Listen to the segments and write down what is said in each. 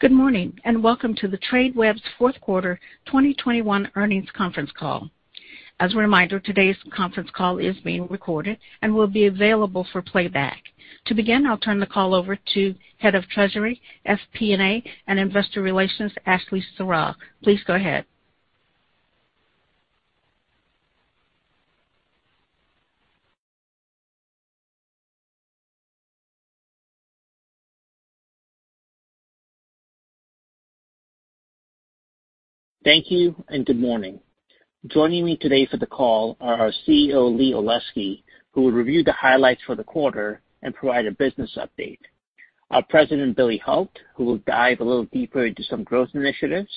Good morning, and Welcome to Tradeweb's Fourth Quarter 2021 Earnings Conference Call. As a reminder, today's conference call is being recorded and will be available for playback. To begin, I'll turn the call over to Head of Treasury, FP&A, and Investor Relations, Ashley Serrao. Please go ahead. Thank you and good morning. Joining me today for the call are our CEO, Lee Olesky, who will review the highlights for the quarter and provide a business update. Our president, Billy Hult, who will dive a little deeper into some growth initiatives,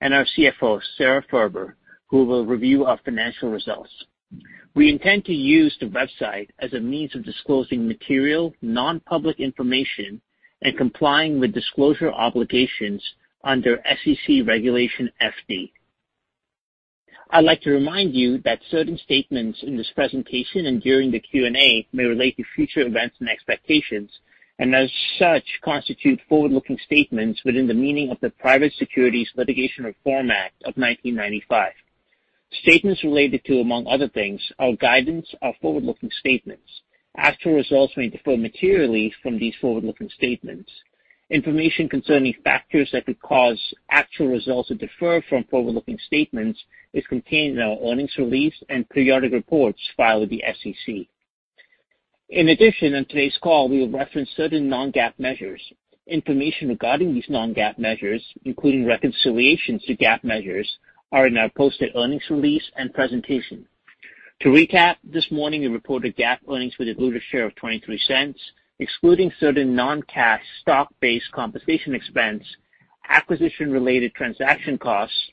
and our CFO, Sara Furber, who will review our financial results. We intend to use the website as a means of disclosing material, non-public information and complying with disclosure obligations under SEC Regulation FD. I'd like to remind you that certain statements in this presentation and during the Q&A may relate to future events and expectations, and as such, constitute forward-looking statements within the meaning of the Private Securities Litigation Reform Act of 1995. Statements related to, among other things, our guidance, are forward-looking statements. Actual results may differ materially from these forward-looking statements. Information concerning factors that could cause actual results to differ from forward-looking statements is contained in our earnings release and periodic reports filed with the SEC. In addition, on today's call, we will reference certain non-GAAP measures. Information regarding these non-GAAP measures, including reconciliations to GAAP measures, are in our posted earnings release and presentation. To recap, this morning, we reported GAAP earnings per diluted share of $0.23, excluding certain non-cash stock-based compensation expense, acquisition-related transaction costs,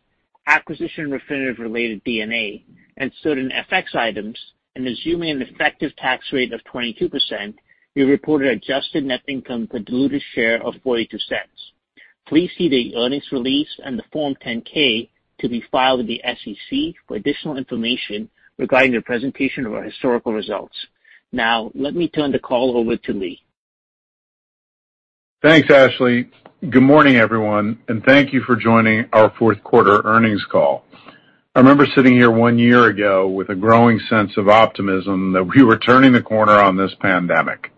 acquisition Refinitiv-related D&A, and certain FX items, and assuming an effective tax rate of 22%, we reported adjusted net income per diluted share of $0.42. Please see the earnings release and the Form 10-K to be filed with the SEC for additional information regarding the presentation of our historical results. Now, let me turn the call over to Lee. Thanks, Ashley. Good morning, everyone, and thank you for joining our fourth quarter earnings call. I remember sitting here one year ago with a growing sense of optimism that we were turning the corner on this pandemic.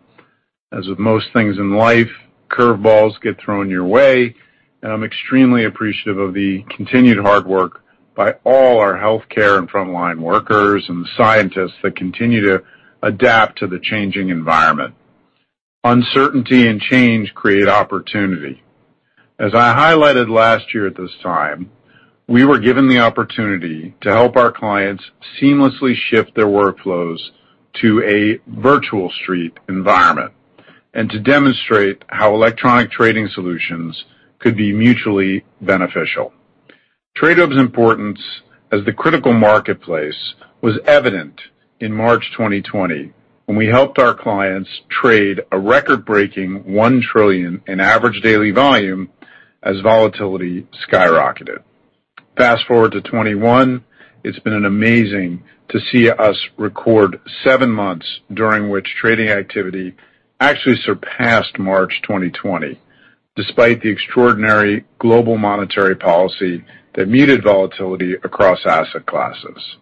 As with most things in life, curve balls get thrown your way, and I'm extremely appreciative of the continued hard work by all our healthcare and frontline workers and scientists that continue to adapt to the changing environment. Uncertainty and change create opportunity. As I highlighted last year at this time, we were given the opportunity to help our clients seamlessly shift their workflows to a virtual street environment and to demonstrate how electronic trading solutions could be mutually beneficial. Tradeweb's importance as the critical marketplace was evident in March 2020 when we helped our clients trade a record-breaking 1 trillion in average daily volume as volatility skyrocketed. Fast-forward to 2021, it's been amazing to see us record seven months during which trading activity actually surpassed March 2020, despite the extraordinary global monetary policy that muted volatility across asset classes.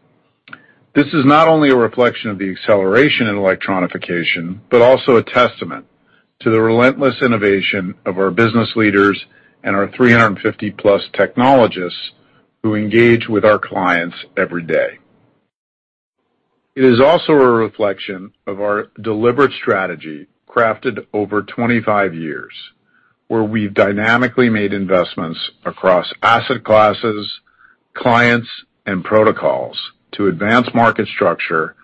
This is not only a reflection of the acceleration in electronification, but also a testament to the relentless innovation of our business leaders and our 350+ technologists who engage with our clients every day. It is also a reflection of our deliberate strategy crafted over 25 years, where we've dynamically made investments across asset classes, clients, and protocols to advance market structure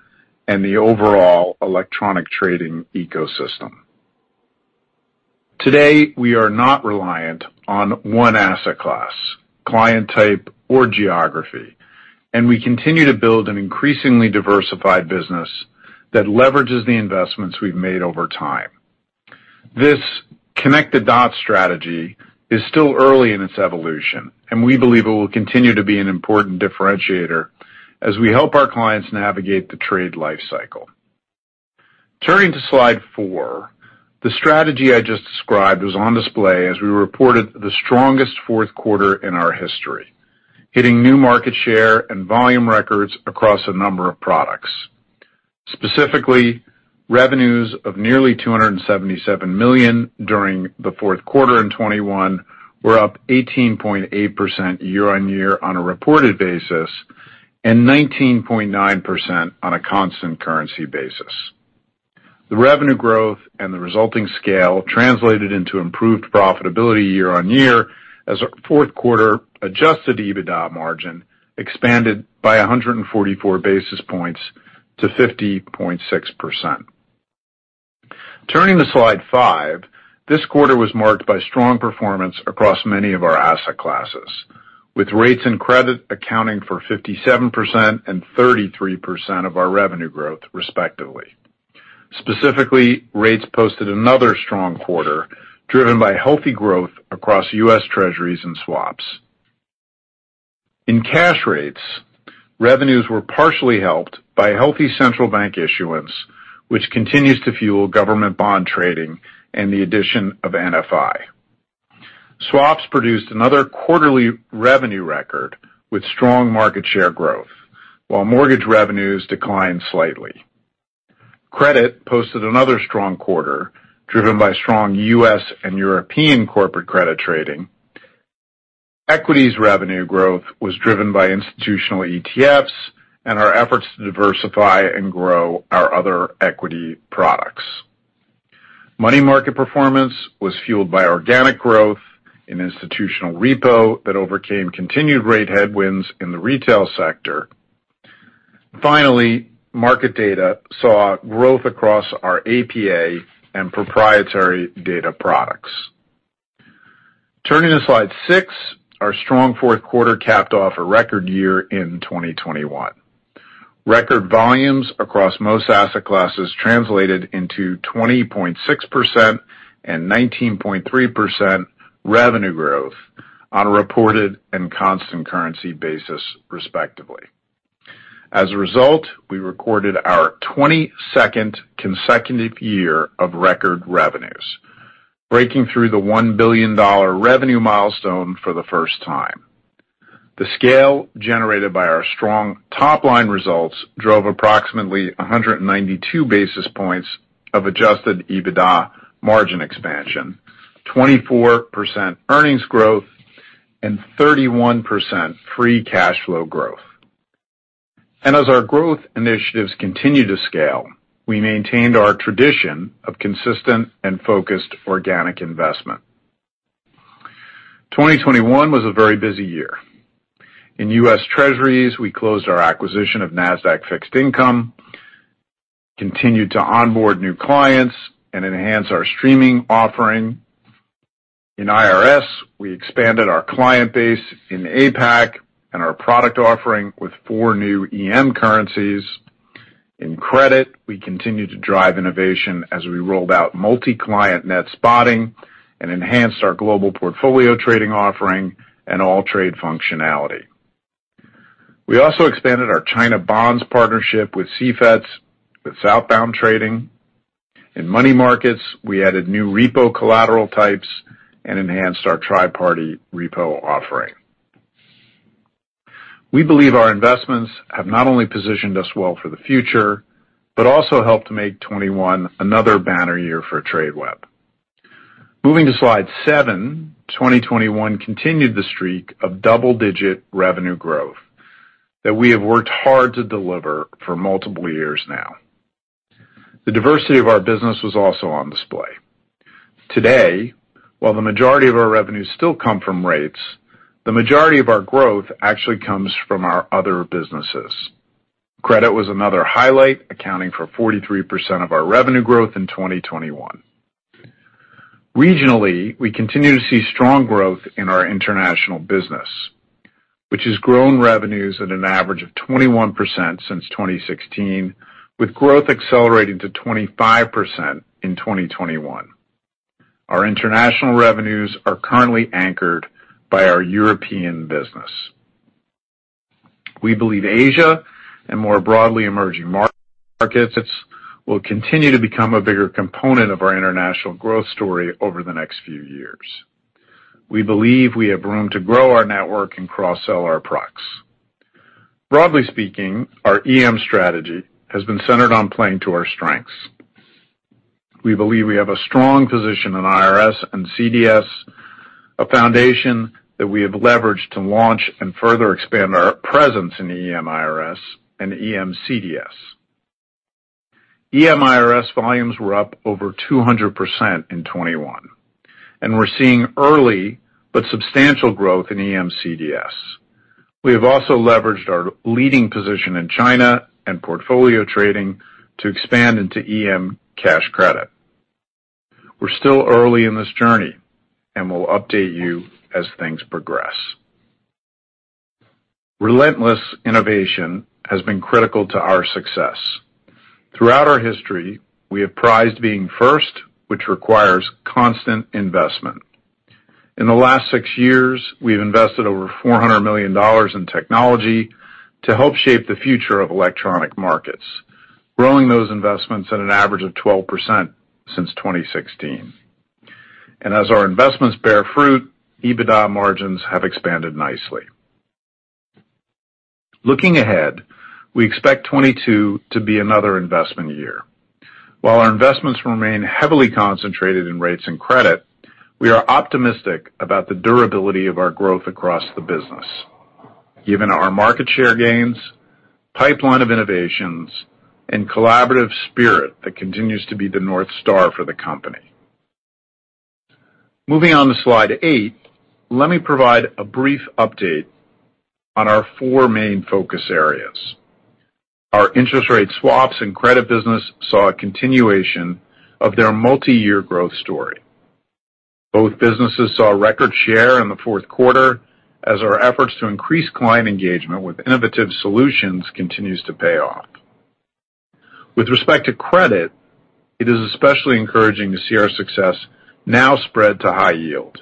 and the overall electronic trading ecosystem. Today, we are not reliant on one asset class, client type or geography, and we continue to build an increasingly diversified business that leverages the investments we've made over time. This connect-the-dots strategy is still early in its evolution, and we believe it will continue to be an important differentiator as we help our clients navigate the trade life cycle. Turning to slide four, the strategy I just described was on display as we reported the strongest fourth quarter in our history, hitting new market share and volume records across a number of products. Specifically, revenues of nearly $277 million during the fourth quarter in 2021 were up 18.8% year-on-year on a reported basis and 19.9% on a constant currency basis. The revenue growth and the resulting scale translated into improved profitability year-on-year as our fourth quarter adjusted EBITDA margin expanded by 144 basis points to 50.6%. Turning to slide five, this quarter was marked by strong performance across many of our asset classes, with rates and credit accounting for 57% and 33% of our revenue growth, respectively. Specifically, rates posted another strong quarter, driven by healthy growth across U.S. Treasuries and swaps. In cash rates, revenues were partially helped by a healthy central bank issuance, which continues to fuel government bond trading and the addition of NFI. Swaps produced another quarterly revenue record with strong market share growth, while mortgage revenues declined slightly. Credit posted another strong quarter, driven by strong U.S. and European corporate credit trading. Equities revenue growth was driven by institutional ETFs and our efforts to diversify and grow our other equity products. Money Market performance was fueled by organic growth in institutional repo that overcame continued rate headwinds in the retail sector. Finally, market data saw growth across our APA and proprietary data products. Turning to slide six, our strong fourth quarter capped off a record year in 2021. Record volumes across most asset classes translated into 20.6% and 19.3% revenue growth on a reported and constant currency basis, respectively. As a result, we recorded our 22nd consecutive year of record revenues, breaking through the $1 billion revenue milestone for the first time. The scale generated by our strong top-line results drove approximately 192 basis points of adjusted EBITDA margin expansion, 24% earnings growth, and 31% free cash flow growth. As our growth initiatives continue to scale, we maintained our tradition of consistent and focused organic investment. 2021 was a very busy year. In U.S. Treasuries, we closed our acquisition of NASDAQ Fixed Income, continued to onboard new clients, and enhance our streaming offering. In IRS, we expanded our client base in APAC and our product offering with four new EM currencies. In Credit, we continued to drive innovation as we rolled out multi-client Net Spotting and enhanced our Global Portfolio Trading offering and AllTrade functionality. We also expanded our China bonds partnership with CFETS with southbound trading. In Money Markets, we added new repo collateral types and enhanced our tri-party repo offering. We believe our investments have not only positioned us well for the future, but also helped make 2021 another banner year for Tradeweb. Moving to slide seven, 2021 continued the streak of double-digit revenue growth that we have worked hard to deliver for multiple years now. The diversity of our business was also on display. Today, while the majority of our revenues still come from Rates, the majority of our growth actually comes from our other businesses. Credit was another highlight, accounting for 43% of our revenue growth in 2021. Regionally, we continue to see strong growth in our international business, which has grown revenues at an average of 21% since 2016, with growth accelerating to 25% in 2021. Our international revenues are currently anchored by our European business. We believe Asia, and more broadly, emerging markets, will continue to become a bigger component of our international growth story over the next few years. We believe we have room to grow our network and cross-sell our products. Broadly speaking, our EM strategy has been centered on playing to our strengths. We believe we have a strong position in IRS and CDS, a foundation that we have leveraged to launch and further expand our presence in EM IRS and EM CDS. EM IRS volumes were up over 200% in 2021, and we're seeing early but substantial growth in EM CDS. We have also leveraged our leading position in China and Portfolio Trading to expand into EM cash credit. We're still early in this journey, and we'll update you as things progress. Relentless innovation has been critical to our success. Throughout our history, we have prized being first, which requires constant investment. In the last six years, we've invested over $400 million in technology to help shape the future of electronic markets, growing those investments at an average of 12% since 2016. As our investments bear fruit, EBITDA margins have expanded nicely. Looking ahead, we expect 2022 to be another investment year. While our investments remain heavily concentrated in Rates and Credit, we are optimistic about the durability of our growth across the business, given our market share gains, pipeline of innovations, and collaborative spirit that continues to be the North Star for the company. Moving on to slide eight, let me provide a brief update on our four main focus areas. Our interest rate swaps and credit business saw a continuation of their multiyear growth story. Both businesses saw record share in the fourth quarter as our efforts to increase client engagement with innovative solutions continues to pay off. With respect to credit, it is especially encouraging to see our success now spread to high yield.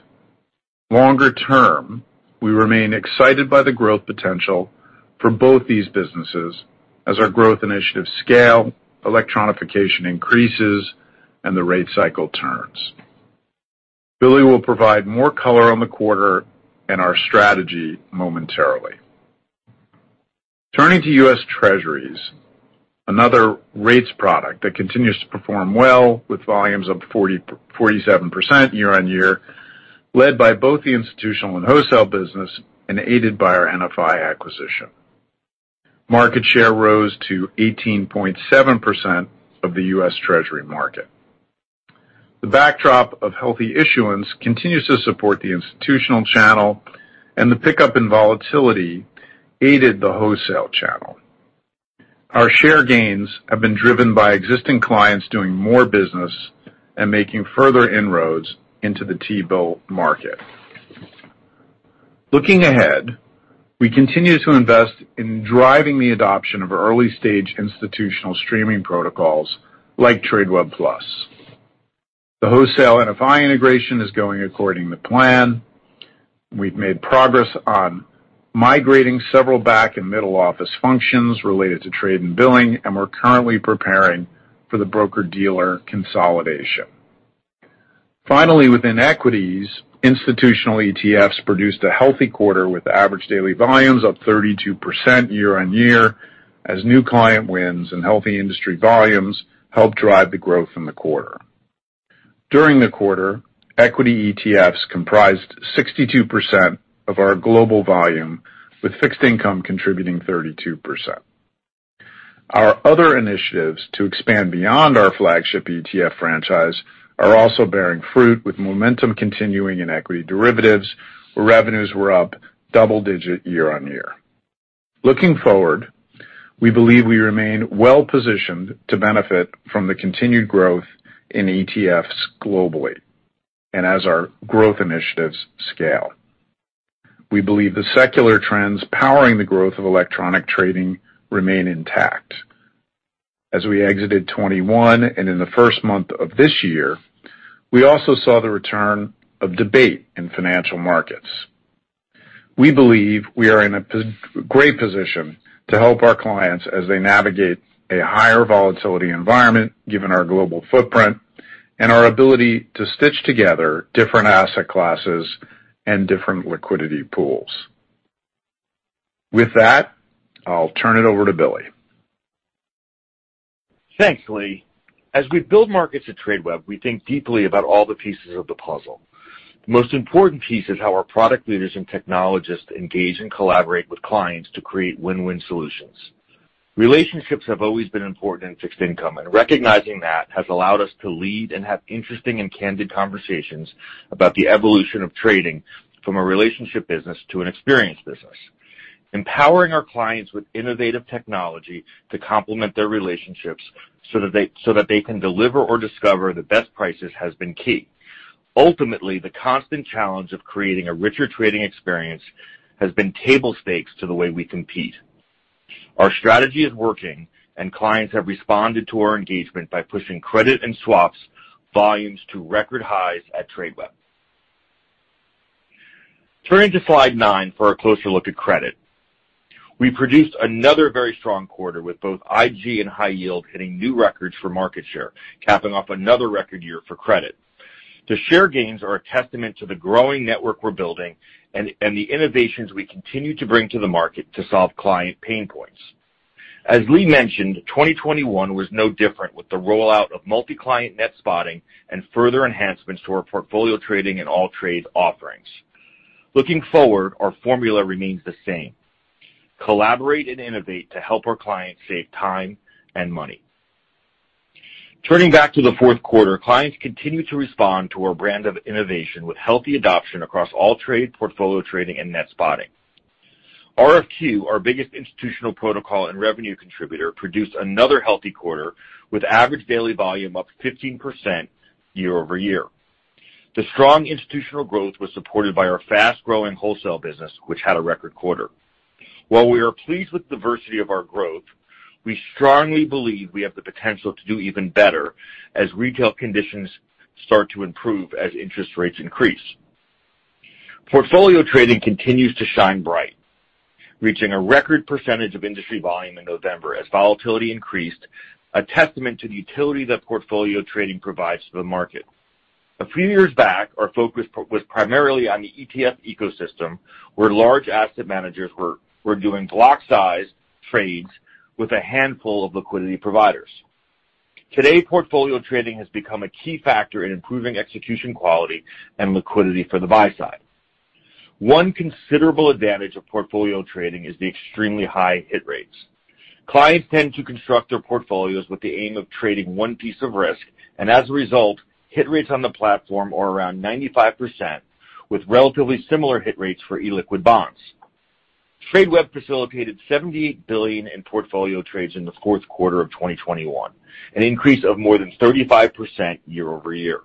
Longer term, we remain excited by the growth potential for both these businesses as our growth initiatives scale, electronification increases, and the rate cycle turns. Billy Hult will provide more color on the quarter and our strategy momentarily. Turning to U.S. Treasuries, another Rates product that continues to perform well with volumes up 47% year-on-year, led by both the institutional and wholesale business and aided by our NFI acquisition. Market share rose to 18.7% of the U.S. Treasury market. The backdrop of healthy issuance continues to support the institutional channel, and the pickup in volatility aided the wholesale channel. Our share gains have been driven by existing clients doing more business and making further inroads into the T-bill market. Looking ahead, we continue to invest in driving the adoption of early-stage institutional streaming protocols like Tradeweb Plus. The wholesale NFI integration is going according to plan. We've made progress on migrating several back and middle office functions related to trade and billing, and we're currently preparing for the broker-dealer consolidation. Finally, within Equities, institutional ETFs produced a healthy quarter with average daily volumes up 32% year-on-year, as new client wins and healthy industry volumes helped drive the growth in the quarter. During the quarter, equity ETFs comprised 62% of our global volume, with fixed income contributing 32%. Our other initiatives to expand beyond our flagship ETF franchise are also bearing fruit, with momentum continuing in equity derivatives, where revenues were up double-digit year-on-year. Looking forward, we believe we remain well-positioned to benefit from the continued growth in ETFs globally and as our growth initiatives scale. We believe the secular trends powering the growth of electronic trading remain intact. As we exited 2021 and in the first month of this year, we also saw the return of volatility in financial markets. We believe we are in a great position to help our clients as they navigate a higher volatility environment given our global footprint and our ability to stitch together different asset classes and different liquidity pools. With that, I'll turn it over to Billy. Thanks, Lee. As we build markets at Tradeweb, we think deeply about all the pieces of the puzzle. The most important piece is how our product leaders and technologists engage and collaborate with clients to create win-win solutions. Relationships have always been important in fixed income, and recognizing that has allowed us to lead and have interesting and candid conversations about the evolution of trading from a relationship business to an experience business. Empowering our clients with innovative technology to complement their relationships so that they can deliver or discover the best prices has been key. Ultimately, the constant challenge of creating a richer trading experience has been table stakes to the way we compete. Our strategy is working, and clients have responded to our engagement by pushing credit and swaps volumes to record highs at Tradeweb. Turning to slide nine for a closer look at credit. We produced another very strong quarter, with both IG and high yield hitting new records for market share, capping off another record year for credit. The share gains are a testament to the growing network we're building and the innovations we continue to bring to the market to solve client pain points. As Lee mentioned, 2021 was no different with the rollout of multi-client Net Spotting and further enhancements to our Portfolio Trading and AllTrade offerings. Looking forward, our formula remains the same. Collaborate and innovate to help our clients save time and money. Turning back to the fourth quarter, clients continue to respond to our brand of innovation with healthy adoption across AllTrade, Portfolio Trading, and Net Spotting. RFQ, our biggest institutional protocol and revenue contributor, produced another healthy quarter, with average daily volume up 15% year-over-year. The strong institutional growth was supported by our fast-growing wholesale business, which had a record quarter. While we are pleased with the diversity of our growth, we strongly believe we have the potential to do even better as retail conditions start to improve as interest rates increase. Portfolio Trading continues to shine bright, reaching a record percentage of industry volume in November as volatility increased, a testament to the utility that Portfolio Trading provides to the market. A few years back, our focus was primarily on the ETF ecosystem, where large asset managers were doing block size trades with a handful of liquidity providers. Today, Portfolio Trading has become a key factor in improving execution quality and liquidity for the buy side. One considerable advantage of Portfolio Trading is the extremely high hit Rates. Clients tend to construct their portfolios with the aim of trading one piece of risk, and as a result, hit Rates on the platform are around 95%, with relatively similar hit rates for illiquid bonds. Tradeweb facilitated $78 billion in portfolio trades in the fourth quarter of 2021, an increase of more than 35% year-over-year.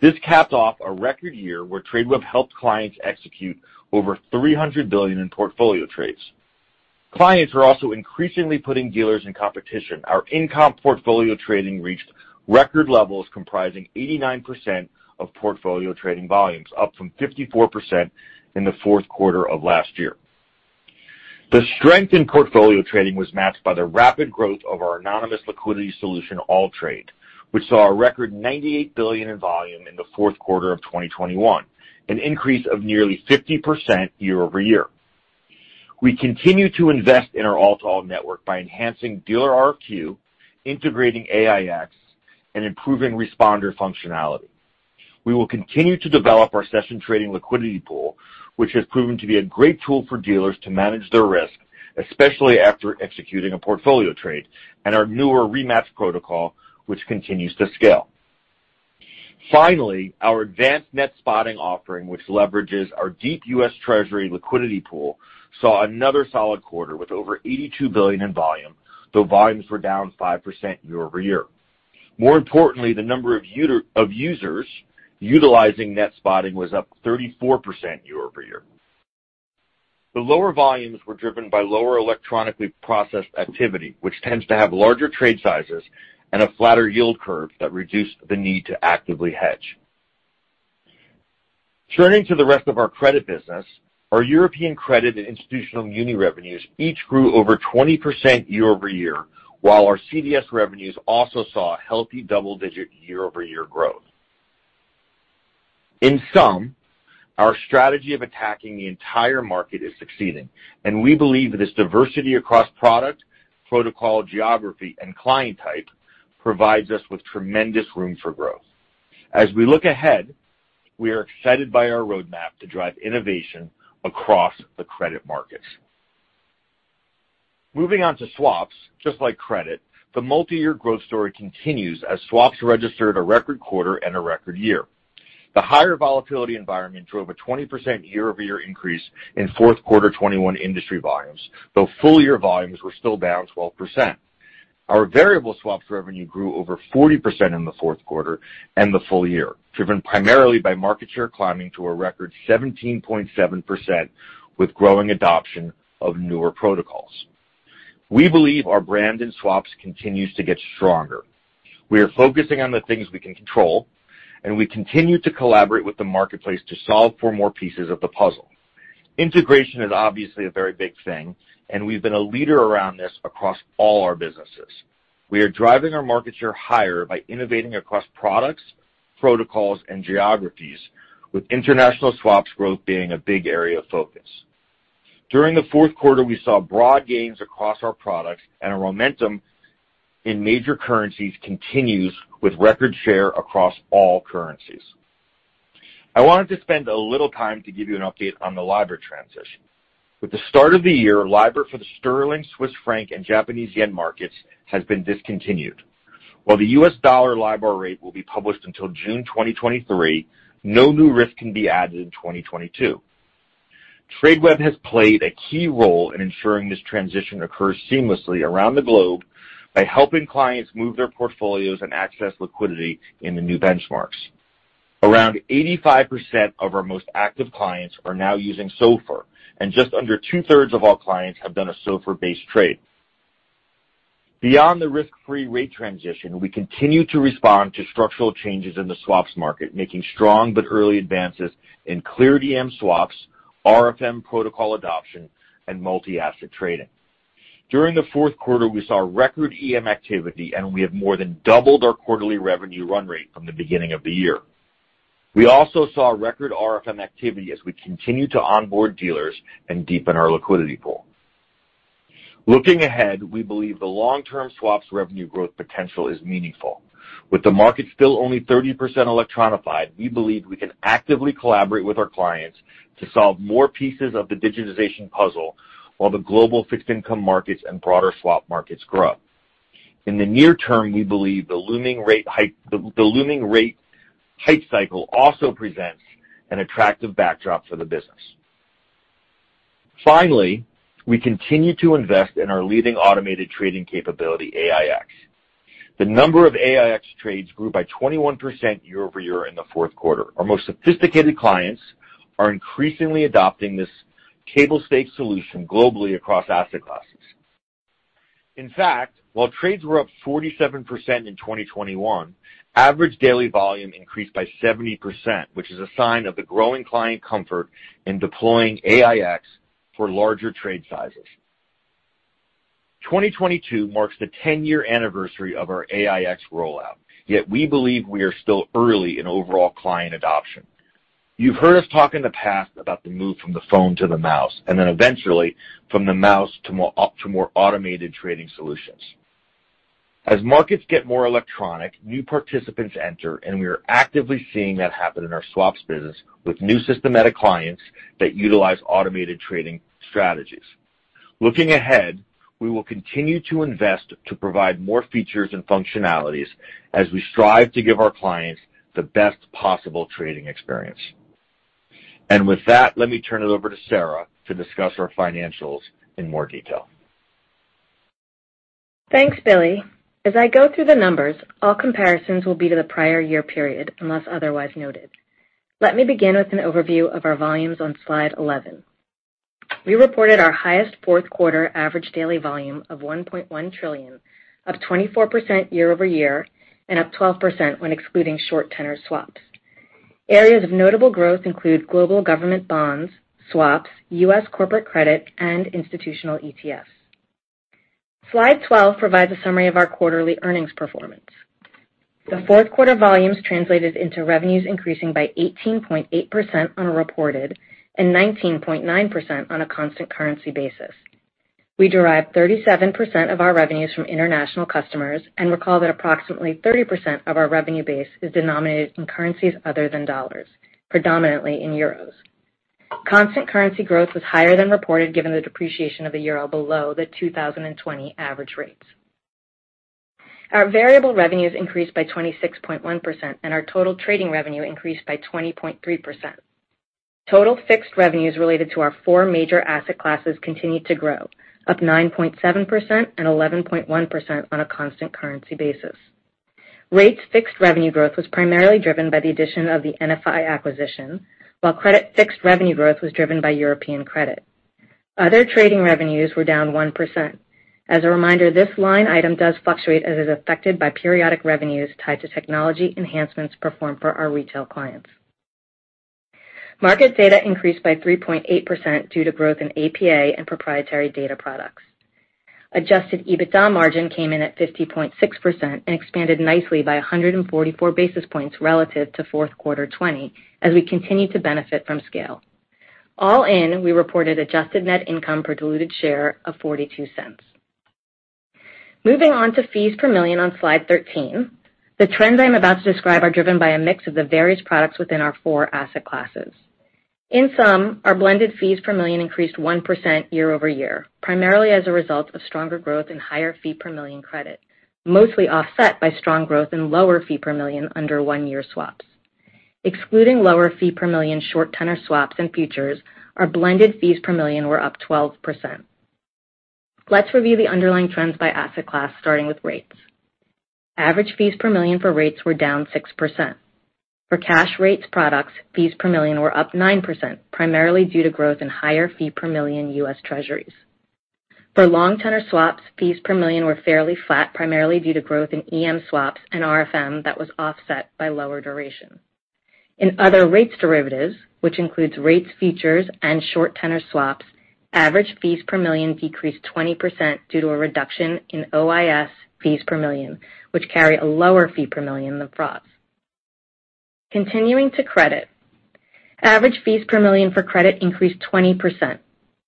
This capped off a record year where Tradeweb helped clients execute over $300 billion in portfolio trades. Clients are also increasingly putting dealers in competition. Our in-comp Portfolio Trading reached record levels comprising 89% of Portfolio Trading volumes, up from 54% in the fourth quarter of last year. The strength in Portfolio Trading was matched by the rapid growth of our anonymous liquidity solution, AllTrade, which saw a record $98 billion in volume in the fourth quarter of 2021, an increase of nearly 50% year-over-year. We continue to invest in our all-to-all network by enhancing dealer RFQ, integrating AiEX, and improving responder functionality. We will continue to develop our session trading liquidity pool, which has proven to be a great tool for dealers to manage their risk, especially after executing a portfolio trade, and our newer ReMatch protocol, which continues to scale. Finally, our advanced Net Spotting offering, which leverages our deep U.S. Treasury liquidity pool, saw another solid quarter with over $82 billion in volume, though volumes were down 5% year-over-year. More importantly, the number of users utilizing Net Spotting was up 34% year-over-year. The lower volumes were driven by lower electronically processed activity, which tends to have larger trade sizes and a flatter yield curve that reduced the need to actively hedge. Turning to the rest of our Credit business, our European credit and institutional muni revenues each grew over 20% year-over-year, while our CDS revenues also saw a healthy double-digit year-over-year growth. In sum, our strategy of attacking the entire market is succeeding, and we believe that this diversity across product, protocol, geography, and client type provides us with tremendous room for growth. As we look ahead, we are excited by our roadmap to drive innovation across the credit markets. Moving on to swaps. Just like credit, the multi-year growth story continues as swaps registered a record quarter and a record year. The higher volatility environment drove a 20% year-over-year increase in fourth quarter 2021 industry volumes, though full year volumes were still down 12%. Our variable swaps revenue grew over 40% in the fourth quarter and the full year, driven primarily by market share climbing to a record 17.7% with growing adoption of newer protocols. We believe our brand in swaps continues to get stronger. We are focusing on the things we can control, and we continue to collaborate with the marketplace to solve for more pieces of the puzzle. Integration is obviously a very big thing, and we've been a leader around this across all our businesses. We are driving our market share higher by innovating across products, protocols, and geographies, with international swaps growth being a big area of focus. During the fourth quarter, we saw broad gains across our products and our momentum in major currencies continues with record share across all currencies. I wanted to spend a little time to give you an update on the LIBOR transition. With the start of the year, LIBOR for the sterling, Swiss franc, and Japanese yen markets has been discontinued. While the U.S. dollar LIBOR rate will be published until June 2023, no new risk can be added in 2022. Tradeweb has played a key role in ensuring this transition occurs seamlessly around the globe by helping clients move their portfolios and access liquidity in the new benchmarks. Around 85% of our most active clients are now using SOFR, and just under 2/3 of all clients have done a SOFR-based trade. Beyond the risk-free rate transition, we continue to respond to structural changes in the swaps market, making strong but early advances in clear DM swaps, RFM protocol adoption, and multi-asset trading. During the fourth quarter, we saw record EM activity, and we have more than doubled our quarterly revenue run rate from the beginning of the year. We also saw record RFM activity as we continue to onboard dealers and deepen our liquidity pool. Looking ahead, we believe the long-term swaps revenue growth potential is meaningful. With the market still only 30% electronified, we believe we can actively collaborate with our clients to solve more pieces of the digitization puzzle while the global fixed income markets and broader swap markets grow. In the near term, we believe the looming rate hike cycle also presents an attractive backdrop for the business. Finally, we continue to invest in our leading automated trading capability, AiEX. The number of AiEX trades grew by 21% year-over-year in the fourth quarter. Our most sophisticated clients are increasingly adopting this table stakes solution globally across asset classes. In fact, while trades were up 47% in 2021, average daily volume increased by 70%, which is a sign of the growing client comfort in deploying AiEX for larger trade sizes. 2022 marks the 10-year anniversary of our AiEX rollout, yet we believe we are still early in overall client adoption. You've heard us talk in the past about the move from the phone to the mouse, and then eventually from the mouse to more automated trading solutions. As markets get more electronic, new participants enter, and we are actively seeing that happen in our swaps business with new systematic clients that utilize automated trading strategies. Looking ahead, we will continue to invest to provide more features and functionalities as we strive to give our clients the best possible trading experience. With that, let me turn it over to Sara Furber to discuss our financials in more detail. Thanks, Billy. As I go through the numbers, all comparisons will be to the prior year period, unless otherwise noted. Let me begin with an overview of our volumes on slide 11. We reported our highest fourth quarter average daily volume of 1.1 trillion, up 24% year-over-year, and up 12% when excluding short tenor swaps. Areas of notable growth include global government bonds, swaps, U.S. corporate credit, and institutional ETFs. Slide 12 provides a summary of our quarterly earnings performance. The fourth quarter volumes translated into revenues increasing by 18.8% on a reported and 19.9% on a constant currency basis. We derive 37% of our revenues from international customers and recall that approximately 30% of our revenue base is denominated in currencies other than dollars, predominantly in euros. Constant currency growth was higher than reported given the depreciation of the euro below the 2020 average rates. Our variable revenues increased by 26.1%, and our total trading revenue increased by 20.3%. Total fixed revenues related to our four major asset classes continued to grow, up 9.7% and 11.1% on a constant currency basis. Rates fixed revenue growth was primarily driven by the addition of the NFI acquisition, while credit fixed revenue growth was driven by European Credit. Other trading revenues were down 1%. As a reminder, this line item does fluctuate as is affected by periodic revenues tied to technology enhancements performed for our retail clients. Market data increased by 3.8% due to growth in APA and proprietary data products. Adjusted EBITDA margin came in at 50.6% and expanded nicely by 144 basis points relative to fourth quarter 2020, as we continue to benefit from scale. All in, we reported adjusted net income per diluted share of $0.42. Moving on to fees per million on slide 13. The trends I'm about to describe are driven by a mix of the various products within our four asset classes. In sum, our blended fees per million increased 1% year-over-year, primarily as a result of stronger growth in higher fee per million credit, mostly offset by strong growth in lower fee per million under one-year swaps. Excluding lower fee per million short tenor swaps and futures, our blended fees per million were up 12%. Let's review the underlying trends by asset class, starting with Rates. Average fees per million for Rates were down 6%. For cash Rates products, fees per million were up 9%, primarily due to growth in higher fee per million U.S. Treasuries. For long tenor swaps, fees per million were fairly flat, primarily due to growth in EM swaps and RFM that was offset by lower duration. In other Rates derivatives, which includes rate futures and short tenor swaps, average fees per million decreased 20% due to a reduction in OIS fees per million, which carry a lower fee per million than FRAs. Continuing to credit, average fees per million for credit increased 20%.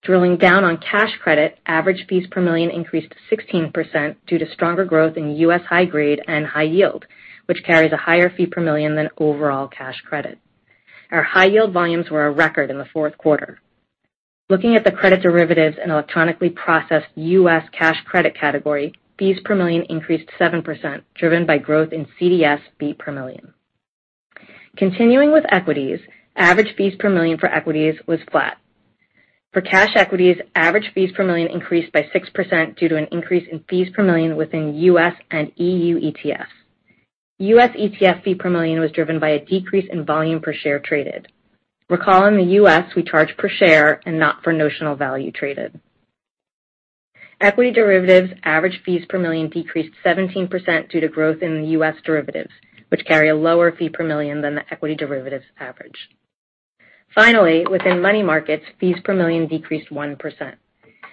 Drilling down on cash credit, average fees per million increased 16% due to stronger growth in U.S. high-grade and high-yield, which carries a higher fee per million than overall cash credit. Our high yield volumes were a record in the fourth quarter. Looking at the Credit derivatives and electronically processed U.S. cash Credit category, fees per million increased 7%, driven by growth in CDS fee per million. Continuing with Equities, average fees per million for Equities was flat. For cash Equities, average fees per million increased by 6% due to an increase in fees per million within U.S. and EU ETFs. U.S. ETF fee per million was driven by a decrease in volume per share traded. Recall in the U.S., we charge per share and not for notional value traded. Equity derivatives average fees per million decreased 17% due to growth in the U.S. derivatives, which carry a lower fee per million than the equity derivatives average. Finally, within Money Markets, fees per million decreased 1%.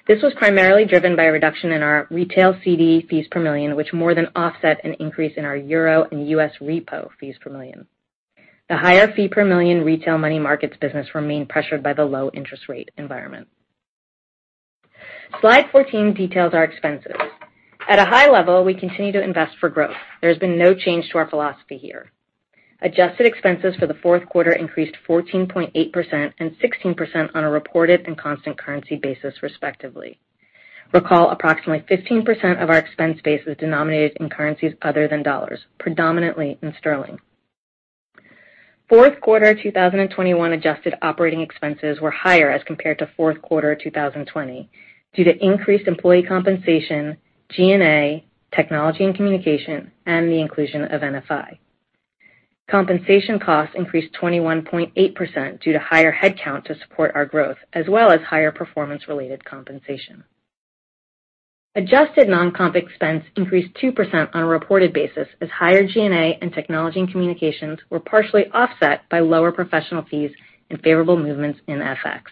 This was primarily driven by a reduction in our retail CD fees per million, which more than offset an increase in our euro and U.S. repo fees per million. The higher fee per million retail Money Markets business remain pressured by the low interest rate environment. Slide 14 details our expenses. At a high level, we continue to invest for growth. There's been no change to our philosophy here. Adjusted expenses for the fourth quarter increased 14.8% and 16% on a reported and constant currency basis, respectively. Recall approximately 15% of our expense base was denominated in currencies other than dollars, predominantly in sterling. Fourth quarter 2021 adjusted operating expenses were higher as compared to fourth quarter 2020 due to increased employee compensation, G&A, technology and communication, and the inclusion of NFI. Compensation costs increased 21.8% due to higher headcount to support our growth, as well as higher performance-related compensation. Adjusted non-comp expense increased 2% on a reported basis as higher G&A and technology and communications were partially offset by lower professional fees and favorable movements in FX.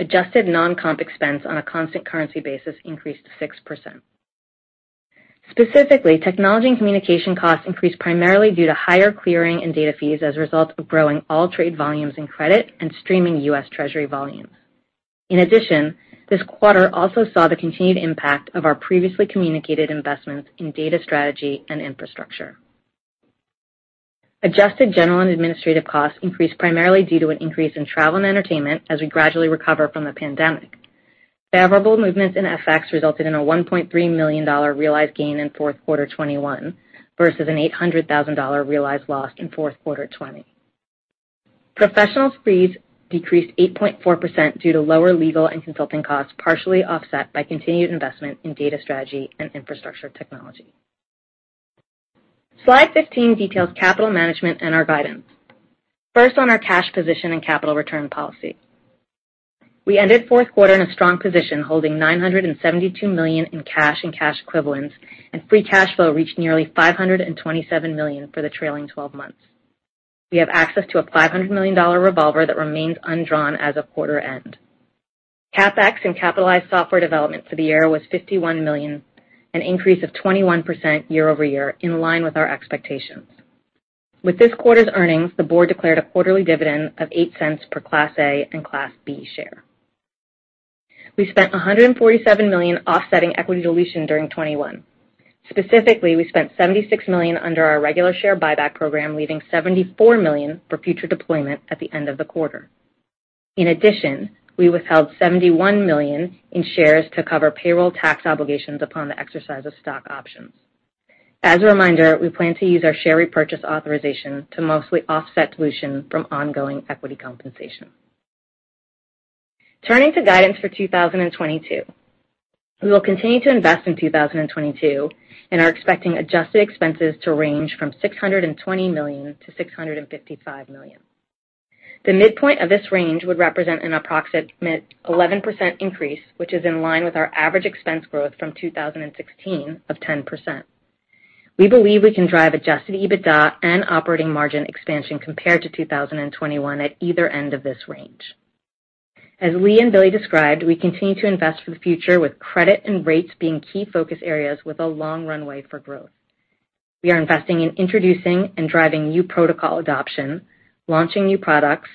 Adjusted non-comp expense on a constant currency basis increased 6%. Specifically, technology and communication costs increased primarily due to higher clearing and data fees as a result of growing AllTrade volumes in credit and streaming U.S. Treasury volumes. In addition, this quarter also saw the continued impact of our previously communicated investments in data strategy and infrastructure. Adjusted general and administrative costs increased primarily due to an increase in travel and entertainment as we gradually recover from the pandemic. Favorable movements in FX resulted in a $1.3 million realized gain in fourth quarter 2021 vs an $800,000 realized loss in fourth quarter 2020. Professional fees decreased 8.4% due to lower legal and consulting costs, partially offset by continued investment in data strategy and infrastructure technology. Slide 15 details capital management and our guidance. First, on our cash position and capital return policy. We ended fourth quarter in a strong position, holding $972 million in cash and cash equivalents, and free cash flow reached nearly $527 million for the trailing 12 months. We have access to a $500 million revolver that remains undrawn as of quarter end. CapEx and capitalized software development for the year was $51 million, an increase of 21% year-over-year in line with our expectations. With this quarter's earnings, the board declared a quarterly dividend of $0.08 per Class A and Class B share. We spent $147 million offsetting equity dilution during 2021. Specifically, we spent $76 million under our regular share buyback program, leaving $74 million for future deployment at the end of the quarter. In addition, we withheld $71 million in shares to cover payroll tax obligations upon the exercise of stock options. As a reminder, we plan to use our share repurchase authorization to mostly offset dilution from ongoing equity compensation. Turning to guidance for 2022. We will continue to invest in 2022 and are expecting adjusted expenses to range from $620 million-$655 million. The midpoint of this range would represent an approximate 11% increase, which is in line with our average expense growth from 2016 of 10%. We believe we can drive adjusted EBITDA and operating margin expansion compared to 2021 at either end of this range. As Lee and Billy described, we continue to invest for the future with credit and rates being key focus areas with a long runway for growth. We are investing in introducing and driving new protocol adoption, launching new products,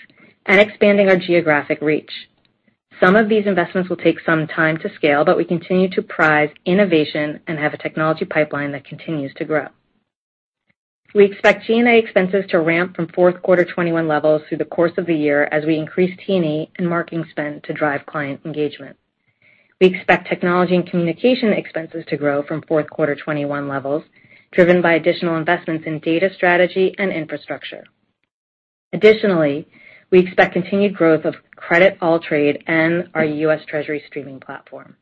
and expanding our geographic reach. Some of these investments will take some time to scale, but we continue to prize innovation and have a technology pipeline that continues to grow. We expect G&A expenses to ramp from fourth quarter 2021 levels through the course of the year as we increase TNA and marketing spend to drive client engagement. We expect technology and communication expenses to grow from fourth quarter 2021 levels, driven by additional investments in data strategy and infrastructure. Additionally, we expect continued growth of credit, AllTrade, and our U.S. Treasury streaming platform.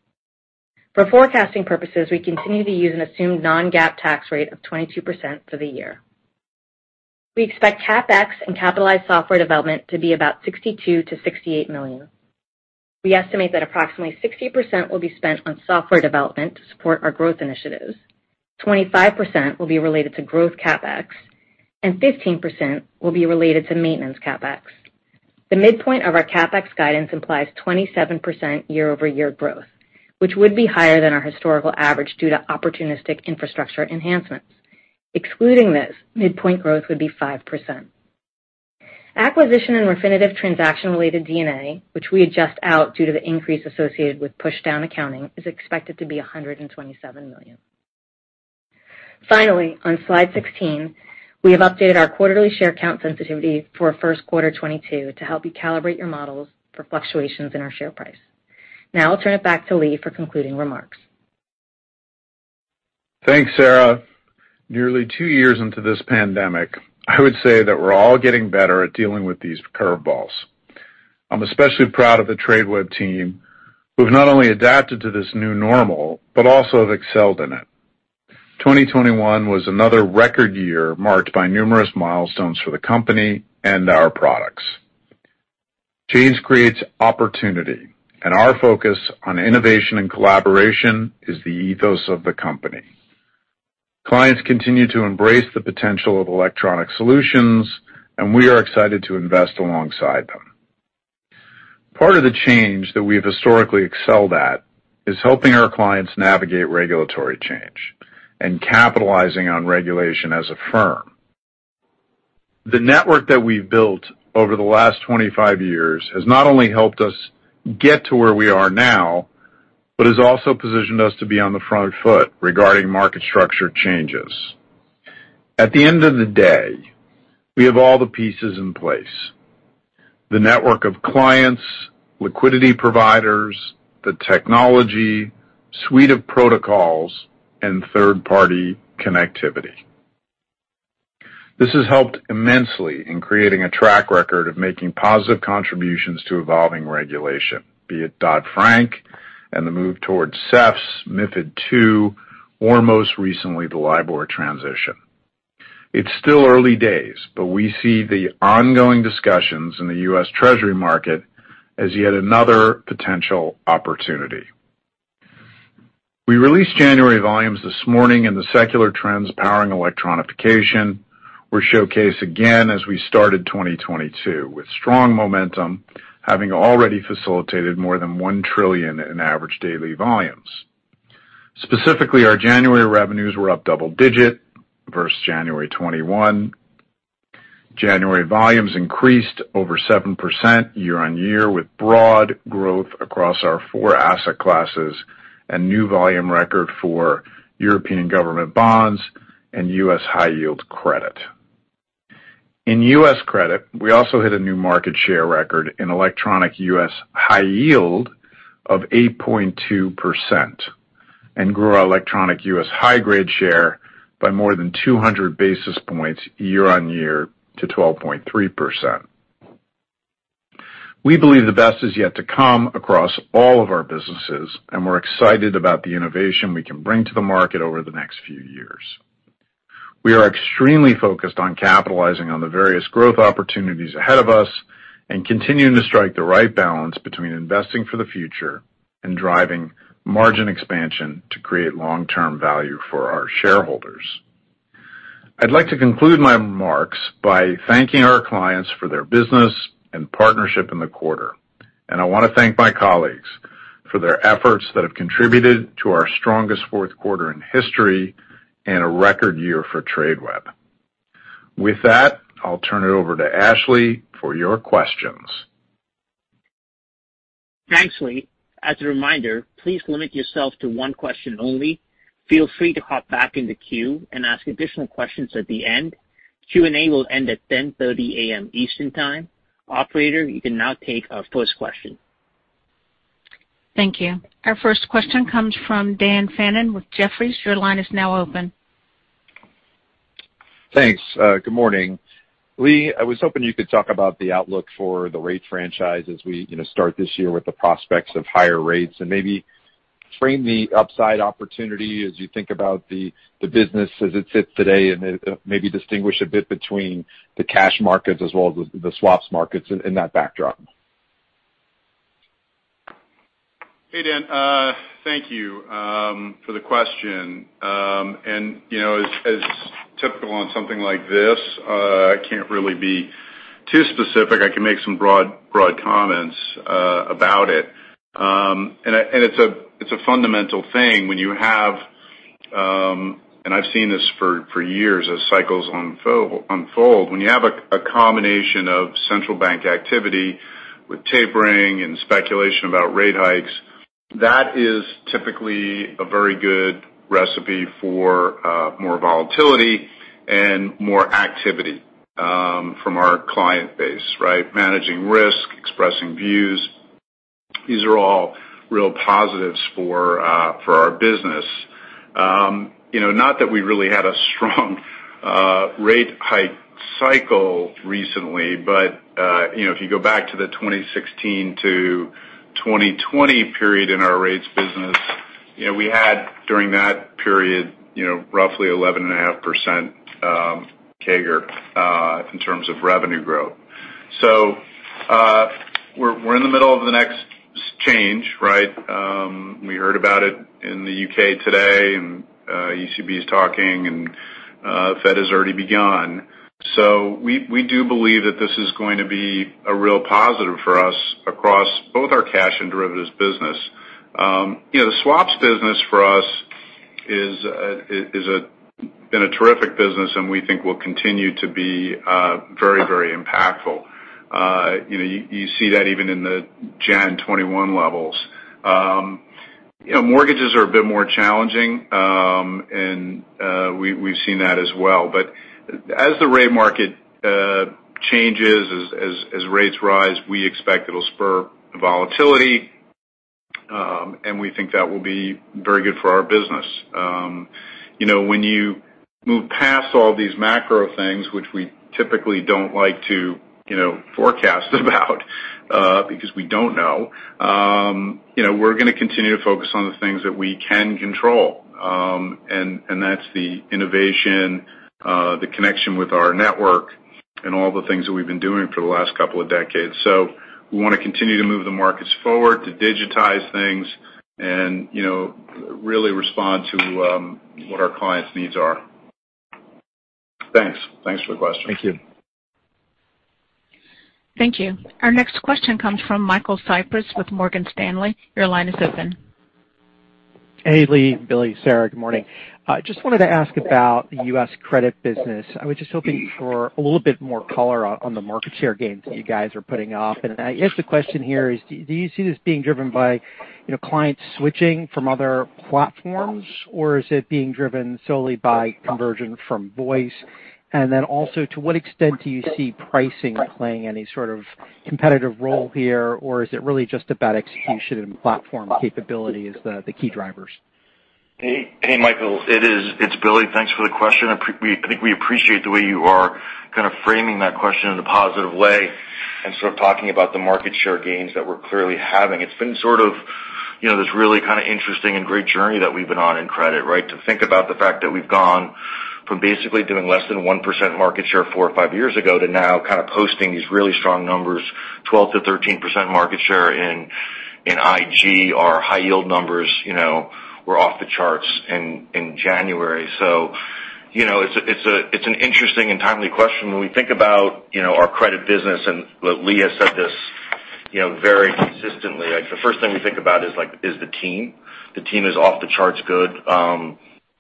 For forecasting purposes, we continue to use an assumed non-GAAP tax rate of 22% for the year. We expect CapEx and capitalized software development to be about $62 million-$68 million. We estimate that approximately 60% will be spent on software development to support our growth initiatives. 25% will be related to growth CapEx, and 15% will be related to maintenance CapEx. The midpoint of our CapEx guidance implies 27% year-over-year growth, which would be higher than our historical average due to opportunistic infrastructure enhancements. Excluding this, midpoint growth would be 5%. Acquisition and Refinitiv transaction-related D&A, which we adjust out due to the increase associated with push down accounting, is expected to be $127 million. Finally, on slide 16, we have updated our quarterly share count sensitivity for first quarter 2022 to help you calibrate your models for fluctuations in our share price. Now I'll turn it back to Lee for concluding remarks. Thanks, Sara. Nearly two years into this pandemic, I would say that we're all getting better at dealing with these curveballs. I'm especially proud of the Tradeweb team, who have not only adapted to this new normal, but also have excelled in it. 2021 was another record year marked by numerous milestones for the company and our products. Change creates opportunity, and our focus on innovation and collaboration is the ethos of the company. Clients continue to embrace the potential of electronic solutions, and we are excited to invest alongside them. Part of the change that we have historically excelled at is helping our clients navigate regulatory change and capitalizing on regulation as a firm. The network that we've built over the last 25 years has not only helped us get to where we are now, but has also positioned us to be on the front foot regarding market structure changes. At the end of the day, we have all the pieces in place, the network of clients, liquidity providers, the technology, suite of protocols, and third-party connectivity. This has helped immensely in creating a track record of making positive contributions to evolving regulation, be it Dodd-Frank and the move towards SEFs, MiFID II, or most recently, the LIBOR transition. It's still early days, but we see the ongoing discussions in the U.S. Treasury market as yet another potential opportunity. We released January volumes this morning, and the secular trends powering electronification were showcased again as we started 2022, with strong momentum having already facilitated more than $1 trillion in average daily volumes. Specifically, our January revenues were up double-digit vs January 2021. January volumes increased over 7% year-on-year, with broad growth across our four asset classes and new volume record for European government bonds and U.S. high-yield credit. In U.S. credit, we also hit a new market share record in electronic U.S. high-yield of 8.2%. Grew our electronic U.S. high-grade share by more than 200 basis points year-on-year to 12.3%. We believe the best is yet to come across all of our businesses, and we're excited about the innovation we can bring to the market over the next few years. We are extremely focused on capitalizing on the various growth opportunities ahead of us and continuing to strike the right balance between investing for the future and driving margin expansion to create long-term value for our shareholders. I'd like to conclude my remarks by thanking our clients for their business and partnership in the quarter. I want to thank my colleagues for their efforts that have contributed to our strongest fourth quarter in history and a record year for Tradeweb. With that, I'll turn it over to Ashley for your questions. Thanks, Lee. As a reminder, please limit yourself to one question only. Feel free to hop back in the queue and ask additional questions at the end. Q&A will end t 10:30 A.M. Eastern Time. Operator, you can now take our first question. Thank you. Our first question comes from Daniel Fannon with Jefferies. Your line is now open. Thanks. Good morning. Lee, I was hoping you could talk about the outlook for the rate franchise as we, you know, start this year with the prospects of higher rates. Maybe frame the upside opportunity as you think about the business as it sits today, and then, maybe distinguish a bit between the cash markets as well as the swaps markets in that backdrop. Hey, Dan. Thank you for the question. You know, as typical on something like this, I can't really be too specific. I can make some broad comments about it. It's a fundamental thing when you have. I've seen this for years as cycles unfold. When you have a combination of central bank activity with tapering and speculation about rate hikes, that is typically a very good recipe for more volatility and more activity from our client base, right? Managing risk, expressing views, these are all real positives for our business. You know, not that we really had a strong rate hike cycle recently, but you know, if you go back to the 2016-2020 period in our rates business, you know, we had, during that period, you know, roughly 11.5% CAGR in terms of revenue growth. We're in the middle of the next change, right? We heard about it in the U.K. today, and ECB is talking, and Fed has already begun. We do believe that this is going to be a real positive for us across both our cash and derivatives business. You know, the swaps business for us has been a terrific business, and we think will continue to be very, very impactful. You know, you see that even in the January 2021 levels. You know, mortgages are a bit more challenging, and we've seen that as well. As the rate market changes, as rates rise, we expect it'll spur volatility, and we think that will be very good for our business. You know, when you move past all these macro things, which we typically don't like to, you know, forecast about, because we don't know, you know, we're gonna continue to focus on the things that we can control. And that's the innovation, the connection with our network and all the things that we've been doing for the last couple of decades. We wanna continue to move the markets forward, to digitize things and, you know, really respond to what our clients' needs are. Thanks. Thanks for the question. Thank you. Thank you. Our next question comes from Michael Cyprys with Morgan Stanley. Your line is open. Hey, Lee, Billy, Sara, good morning. I just wanted to ask about the U.S. Credit business. I was just hoping for a little bit more color on the market share gains that you guys are putting up. I guess the question here is do you see this being driven by, you know, clients switching from other platforms, or is it being driven solely by conversion from voice? Then also, to what extent do you see pricing playing any sort of competitive role here, or is it really just about execution and platform capability as the key drivers? Hey, Michael. It's Billy. Thanks for the question. I think we appreciate the way you are kind of framing that question in a positive way and sort of talking about the market share gains that we're clearly having. It's been sort of, you know, this really kind of interesting and great journey that we've been on in credit, right? To think about the fact that we've gone from basically doing less than 1% market share four or five years ago, to now kind of posting these really strong numbers, 12%-13% market share in IG. Our high yield numbers, you know, were off the charts in January. It's an interesting and timely question. When we think about, you know, our credit business, and Lee has said this, you know, very consistently, like the first thing we think about is like, is the team. The team is off the charts good.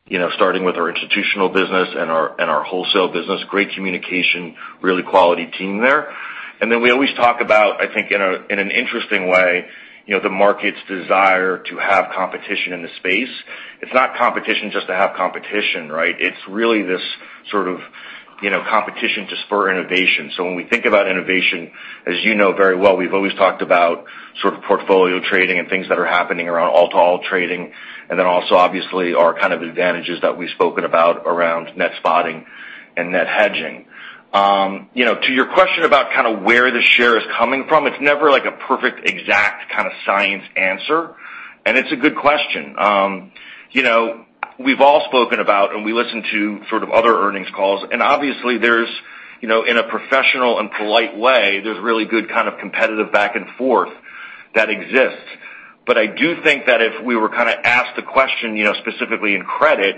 You know, starting with our institutional business and our wholesale business, great communication, really quality team there. We always talk about, I think in an interesting way, you know, the market's desire to have competition in the space. It's not competition just to have competition, right? It's really this sort of You know, competition to spur innovation. When we think about innovation, as you know very well, we've always talked about sort of Portfolio Trading and things that are happening around all-to-all trading. Also, obviously, our kind of advantages that we've spoken about around Net Spotting and net hedging. You know, to your question about kind of where the share is coming from, it's never like a perfect exact kind of science answer, and it's a good question. You know, we've all spoken about and we listen to sort of other earnings calls, and obviously, there's, you know, in a professional and polite way, there's really good kind of competitive back and forth that exists. I do think that if we were kind of asked the question, you know, specifically in credit,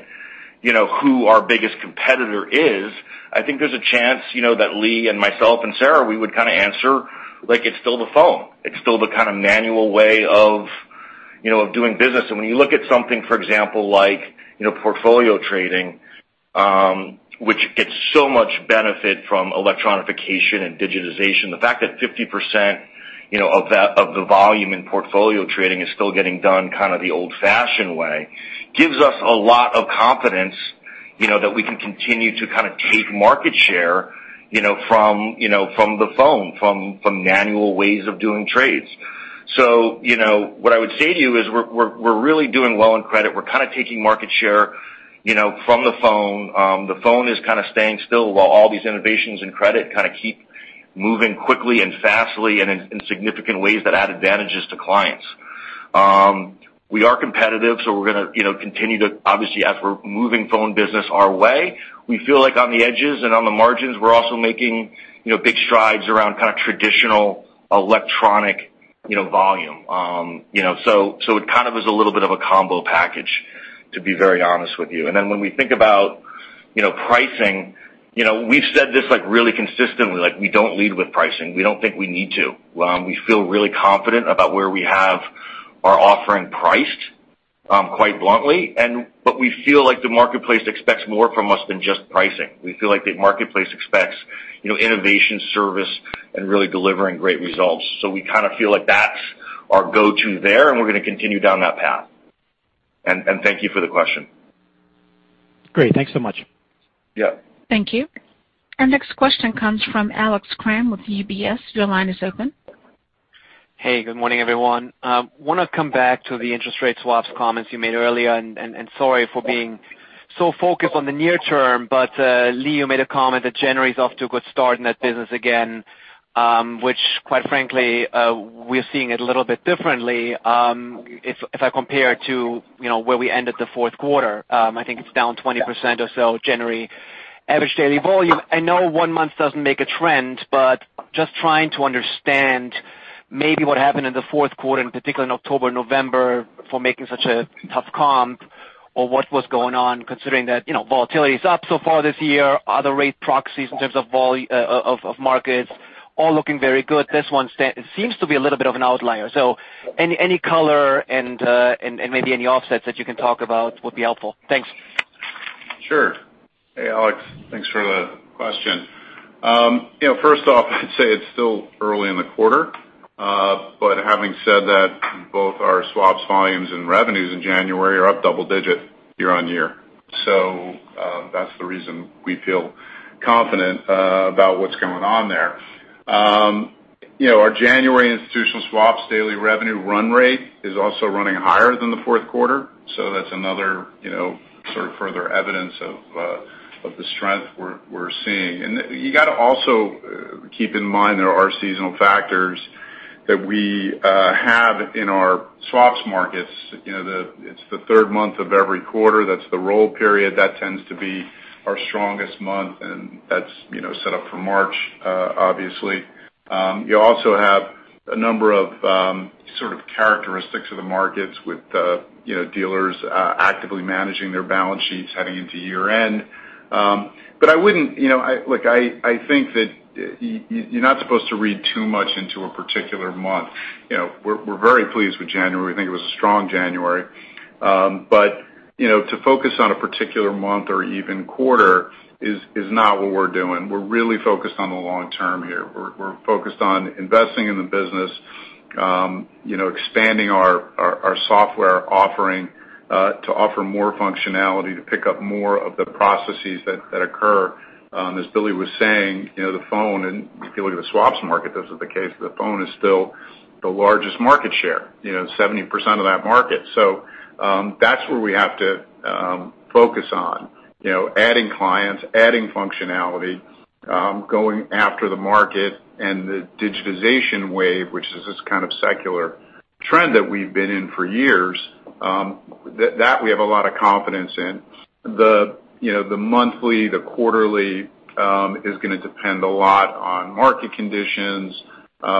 you know, who our biggest competitor is, I think there's a chance, you know, that Lee and myself and Sara, we would kind of answer, like it's still the phone. It's still the kind of manual way of, you know, of doing business. When you look at something, for example, like, you know, Portfolio Trading, which gets so much benefit from electronification and digitization, the fact that 50% of that of the volume in Portfolio Trading is still getting done kind of the old-fashioned way, gives us a lot of confidence, you know, that we can continue to kind of take market share, you know, from the phone, from manual ways of doing trades. You know, what I would say to you is we're really doing well in credit. We're kind of taking market share, you know, from the phone. The phone is kind of staying still while all these innovations in credit kind of keep moving quickly and fastly and in significant ways that add advantages to clients. We are competitive, so we're gonna, you know, continue to, obviously, as we're moving phone business our way, we feel like on the edges and on the margins, we're also making, you know, big strides around kind of traditional electronic, you know, volume. You know, so it kind of is a little bit of a combo package, to be very honest with you. Then when we think about, you know, pricing, you know, we've said this, like, really consistently, like, we don't lead with pricing. We don't think we need to. We feel really confident about where we have our offering priced, quite bluntly. We feel like the marketplace expects more from us than just pricing. We feel like the marketplace expects, you know, innovation, service and really delivering great results. We kind of feel like that's our go-to there, and we're gonna continue down that path. Thank you for the question. Great. Thanks so much. Yeah. Thank you. Our next question comes from Alex Kramm with UBS. Your line is open. Hey, good morning, everyone. Wanna come back to the interest rate swaps comments you made earlier. Sorry for being so focused on the near term, but, Lee, you made a comment that January is off to a good start in that business again, which quite frankly, we're seeing it a little bit differently. If I compare to, you know, where we end at the fourth quarter, I think it's down 20% or so January average daily volume. I know one month doesn't make a trend, but just trying to understand maybe what happened in the fourth quarter, in particular in October, November for making such a tough comp or what was going on, considering that, you know, volatility is up so far this year. Other rate proxies in terms of vol of markets all looking very good. This one seems to be a little bit of an outlier. Any color and maybe any offsets that you can talk about would be helpful. Thanks. Sure. Hey, Alex. Thanks for the question. You know, first off, I'd say it's still early in the quarter. Having said that, both our swaps volumes and revenues in January are up double-digit year-on-year. That's the reason we feel confident about what's going on there. You know, our January institutional swaps daily revenue run rate is also running higher than the fourth quarter. That's another, you know, sort of further evidence of the strength we're seeing. You gotta also keep in mind there are seasonal factors that we have in our swaps markets. You know, it's the third month of every quarter, that's the roll period. That tends to be our strongest month, and that's, you know, set up for March, obviously. You also have a number of sort of characteristics of the markets with, you know, dealers actively managing their balance sheets heading into year-end. I wouldn't, you know. Look, I think that you're not supposed to read too much into a particular month. You know, we're very pleased with January. We think it was a strong January. You know, to focus on a particular month or even quarter is not what we're doing. We're really focused on the long term here. We're focused on investing in the business, you know, expanding our software offering to offer more functionality, to pick up more of the processes that occur. As Billy was saying, you know, the phone, and if you look at the swaps market, that's the case, the phone is still the largest market share, you know, 70% of that market. That's where we have to focus on. You know, adding clients, adding functionality, going after the market and the digitization wave, which is this kind of secular trend that we've been in for years, that we have a lot of confidence in. You know, the monthly, the quarterly is gonna depend a lot on market conditions,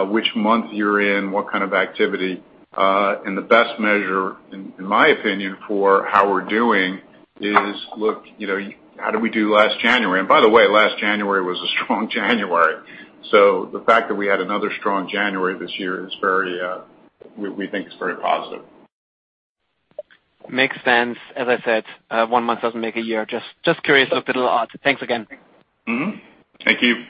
which month you're in, what kind of activity. The best measure, in my opinion, for how we're doing is, look, you know, how did we do last January? By the way, last January was a strong January. The fact that we had another strong January this year is, we think, very positive. Makes sense. As I said, one month doesn't make a year. Just curious of the little odds. Thanks again. Thank you.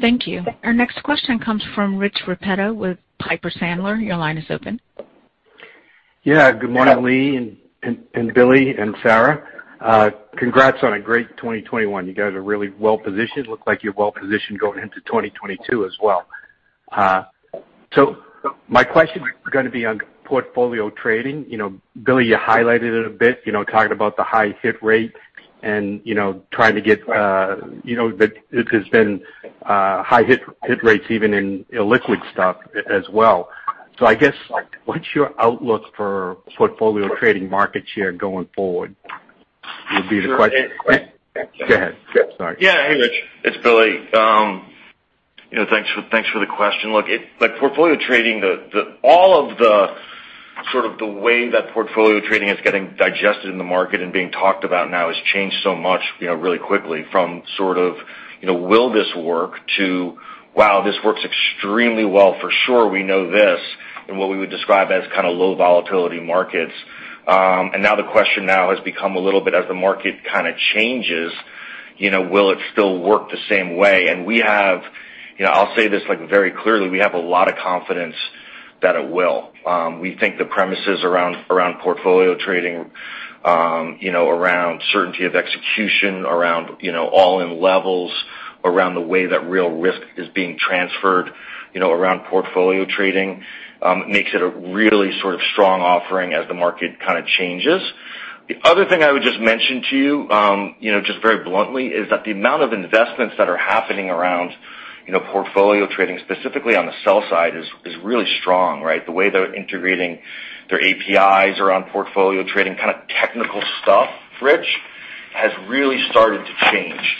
Thank you. Our next question comes from Richard Repetto with Piper Sandler. Your line is open. Good morning, Lee and Billy and Sara. Congrats on a great 2021. You guys are really well-positioned. Look like you're well-positioned going into 2022 as well. My question is gonna be on Portfolio Trading. You know, Billy, you highlighted it a bit, you know, talking about the high hit rate and, you know, trying to get that it has been high hit rates even in illiquid stuff as well. I guess what's your outlook for Portfolio Trading market share going forward would be the question. Go ahead. Sorry. Yeah. Hey, Rich, it's Billy. You know, thanks for the question. Look, like, Portfolio Trading, the way that Portfolio Trading is getting digested in the market and being talked about now has changed so much, you know, really quickly from sort of, you know, will this work to, wow, this works extremely well for sure we know this, in what we would describe as kind of low volatility markets. Now the question has become a little bit as the market kind of changes, you know, will it still work the same way? We have, you know, I'll say this, like, very clearly, we have a lot of confidence that it will. We think the premises around Portfolio Trading, you know, around certainty of execution, around, you know, all-in levels, around the way that real risk is being transferred, you know, around Portfolio Trading, makes it a really sort of strong offering as the market kind of changes. The other thing I would just mention to you know, just very bluntly, is that the amount of investments that are happening around, you know, Portfolio Trading, specifically on the sell side, is really strong, right? The way they're integrating their APIs around Portfolio Trading kind of technical stuff, Rich, has really started to change.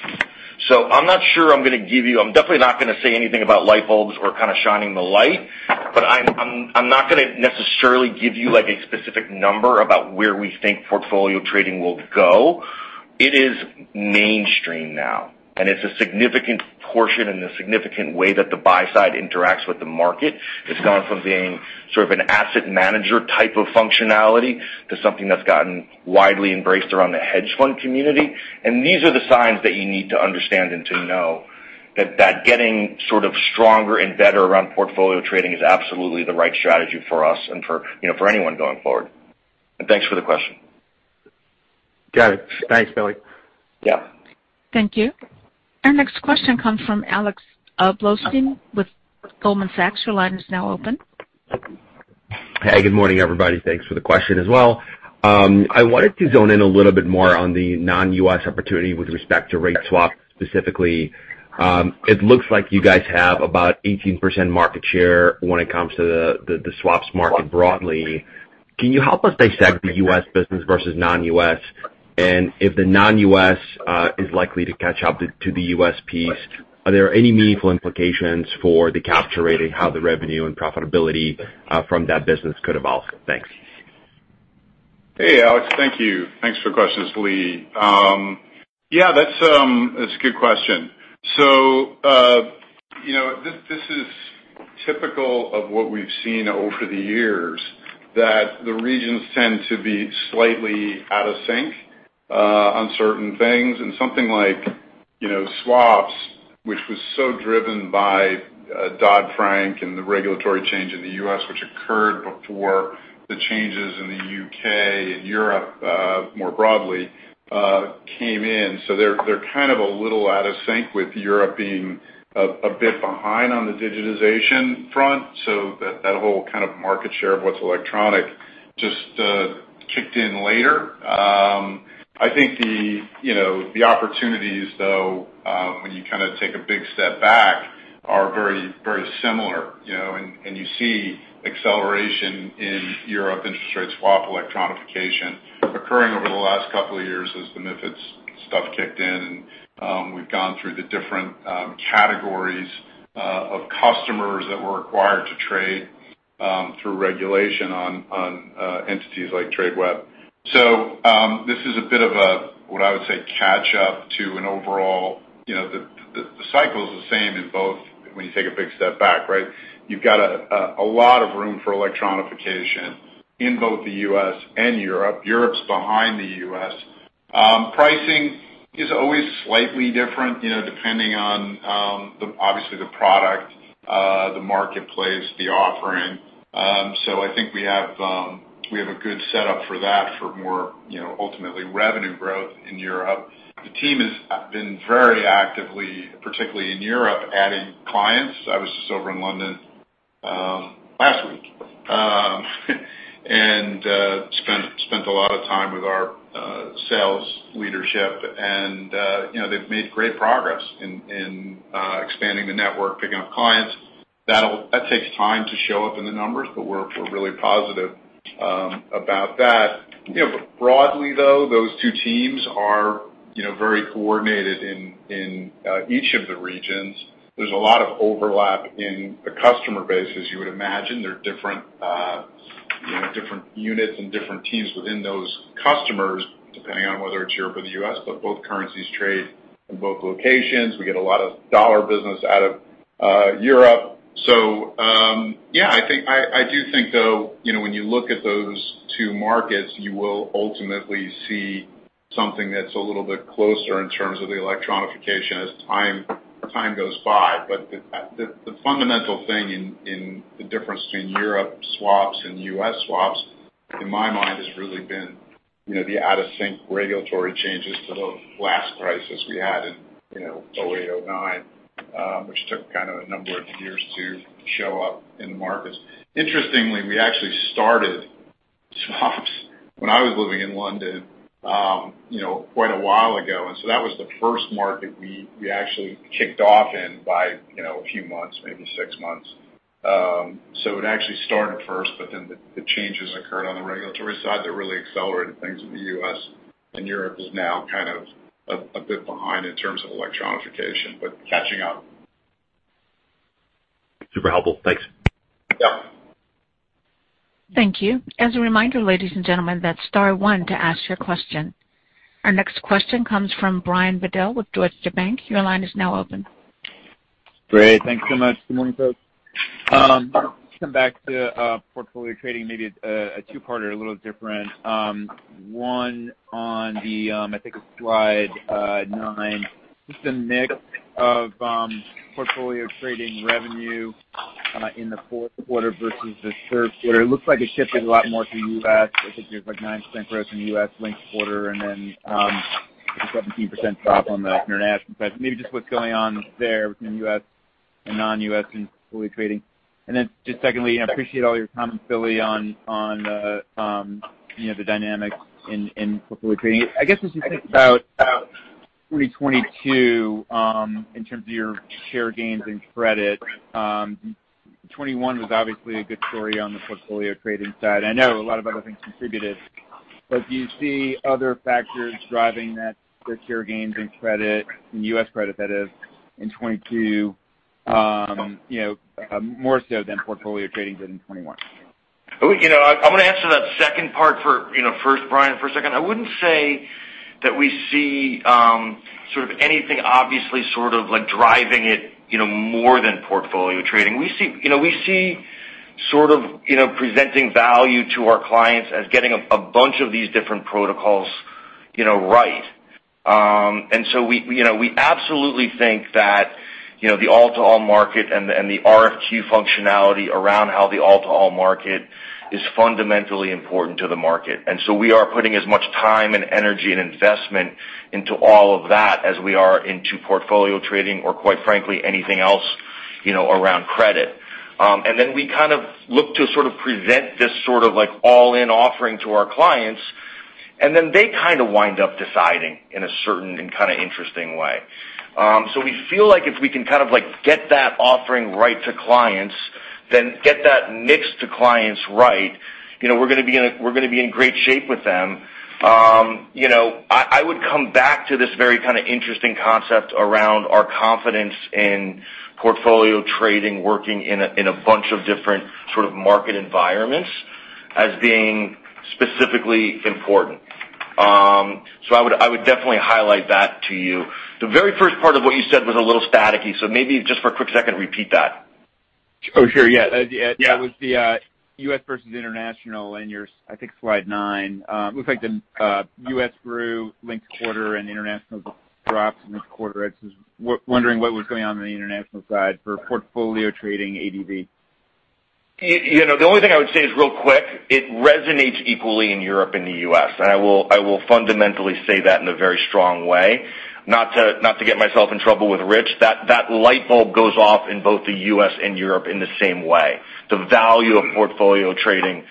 I'm not sure I'm gonna give you... I'm definitely not gonna say anything about light bulbs or kind of shining the light, but I'm not gonna necessarily give you like a specific number about where we think Portfolio Trading will go. It is mainstream now, and it's a significant portion and a significant way that the buy side interacts with the market. It's gone from being sort of an asset manager type of functionality to something that's gotten widely embraced around the hedge fund community. These are the signs that you need to understand and to know that getting sort of stronger and better around Portfolio Trading is absolutely the right strategy for us and for, you know, for anyone going forward. Thanks for the question. Got it. Thanks, Billy. Yeah. Thank you. Our next question comes from Alex Blostein with Goldman Sachs. Your line is now open. Hey, good morning, everybody. Thanks for the question as well. I wanted to zone in a little bit more on the non-U.S. opportunity with respect to rate swap specifically. It looks like you guys have about 18% market share when it comes to the swaps market broadly. Can you help us dissect the U.S. business vs non-U.S.? If the non-U.S. is likely to catch up to the U.S. piece, are there any meaningful implications for the capture rate how the revenue and profitability from that business could evolve? Thanks. Hey, Alex. Thank you. Thanks for the question. This is Lee. Yeah, that's a good question. You know, this is typical of what we've seen over the years that the regions tend to be slightly out of sync on certain things. Something like, you know, swaps, which was so driven by Dodd-Frank and the regulatory change in the U.S. which occurred before the changes in the U.K. and Europe, more broadly, came in. They're kind of a little out of sync with Europe being a bit behind on the digitization front, that whole kind of market share of what's electronic just kicked in later. I think the opportunities though, when you kind of take a big step back, are very, very similar, you know, and you see acceleration in Europe interest rate swap electronification occurring over the last couple of years as the MiFID II stuff kicked in and we've gone through the different categories of customers that were required to trade through regulation on entities like Tradeweb. This is a bit of a, what I would say, catch up to an overall, you know. The cycle's the same in both when you take a big step back, right? You've got a lot of room for electronification in both the U.S. and Europe. Europe's behind the U.S. Pricing is always slightly different, you know, depending on obviously the product, the marketplace, the offering. I think we have a good setup for that for more, you know, ultimately revenue growth in Europe. The team has been very actively, particularly in Europe, adding clients. I was just over in London last week and spent a lot of time with our sales leadership and, you know, they've made great progress in expanding the network, picking up clients. That takes time to show up in the numbers, but we're really positive about that. You know, broadly though, those two teams are, you know, very coordinated in each of the regions. There's a lot of overlap in the customer base, as you would imagine. There are different, you know, units and different teams within those customers, depending on whether it's Europe or the U.S., but both currencies trade in both locations. We get a lot of dollar business out of Europe. Yeah, I do think though, you know, when you look at those two markets, you will ultimately see something that's a little bit closer in terms of the electronification as time goes by. The fundamental thing in the difference between Europe swaps and U.S. swaps, in my mind, has really been, you know, the out-of-sync regulatory changes to the last crisis we had in, you know, 2008, 2009, which took kind of a number of years to show up in the markets. Interestingly, we actually started swaps when I was living in London, you know, quite a while ago, and so that was the first market we actually kicked off in by, you know, a few months, maybe six months. It actually started first, but then the changes occurred on the regulatory side that really accelerated things in the U.S., and Europe is now kind of a bit behind in terms of electronification, but catching up. Super helpful. Thanks. Yeah. Thank you. As a reminder, ladies and gentlemen, that's star one to ask your question. Our next question comes from Brian Bedell with Deutsche Bank. Your line is now open. Great. Thanks so much. Good morning, folks. Just come back to Portfolio Trading, maybe a two-parter, a little different. One on the, I think it's slide nine, just a mix of Portfolio Trading revenue in the fourth quarter vs the third quarter. It looks like it shifted a lot more to U.S. I think there's like 9% growth in the U.S. linked quarter and then 17% drop on the international side. Maybe just what's going on there between U.S. and non-U.S. in Portfolio Trading. Just secondly, I appreciate all your comments, Billy, on the you know, the dynamics in Portfolio Trading. I guess as you think about 2022 in terms of your share gains in credit, 2021 was obviously a good story on the Portfolio Trading side. I know a lot of other things contributed, but do you see other factors driving that, the share gains in credit, in U.S. Credit that is, in 2022, you know, more so than Portfolio Trading did in 2021? You know, I'm gonna answer that second part for, you know, first Brian, for a second. I wouldn't say that we see sort of anything obviously sort of like driving it, you know, more than Portfolio Trading. We see, you know, presenting value to our clients as getting a bunch of these different protocols, you know, right. We absolutely think that, you know, the all-to-all market and the RFQ functionality around how the all-to-all market is fundamentally important to the market. We are putting as much time and energy and investment into all of that as we are into Portfolio Trading or quite frankly anything else, you know, around credit. We kind of look to sort of present this sort of like all-in offering to our clients, and then they kind of wind up deciding in a certain and kind of interesting way. We feel like if we can kind of like get that offering right to clients, then get that mix to clients right, you know, we're gonna be in great shape with them. You know, I would come back to this very kind of interesting concept around our confidence in Portfolio Trading working in a bunch of different sort of market environments as being specifically important. I would definitely highlight that to you. The very first part of what you said was a little staticky, so maybe just for a quick second, repeat that. Oh, sure. Yes. Yeah. It was the U.S. vs international. I think slide nine. Looks like the U.S. grew linked quarter and international dropped in this quarter. I was just wondering what was going on the international side for Portfolio Trading ADV. You know, the only thing I would say is real quick, it resonates equally in Europe and the U.S., and I will fundamentally say that in a very strong way. Not to get myself in trouble with Rich, that light bulb goes off in both the U.S. and Europe in the same way. The value of Portfolio Trading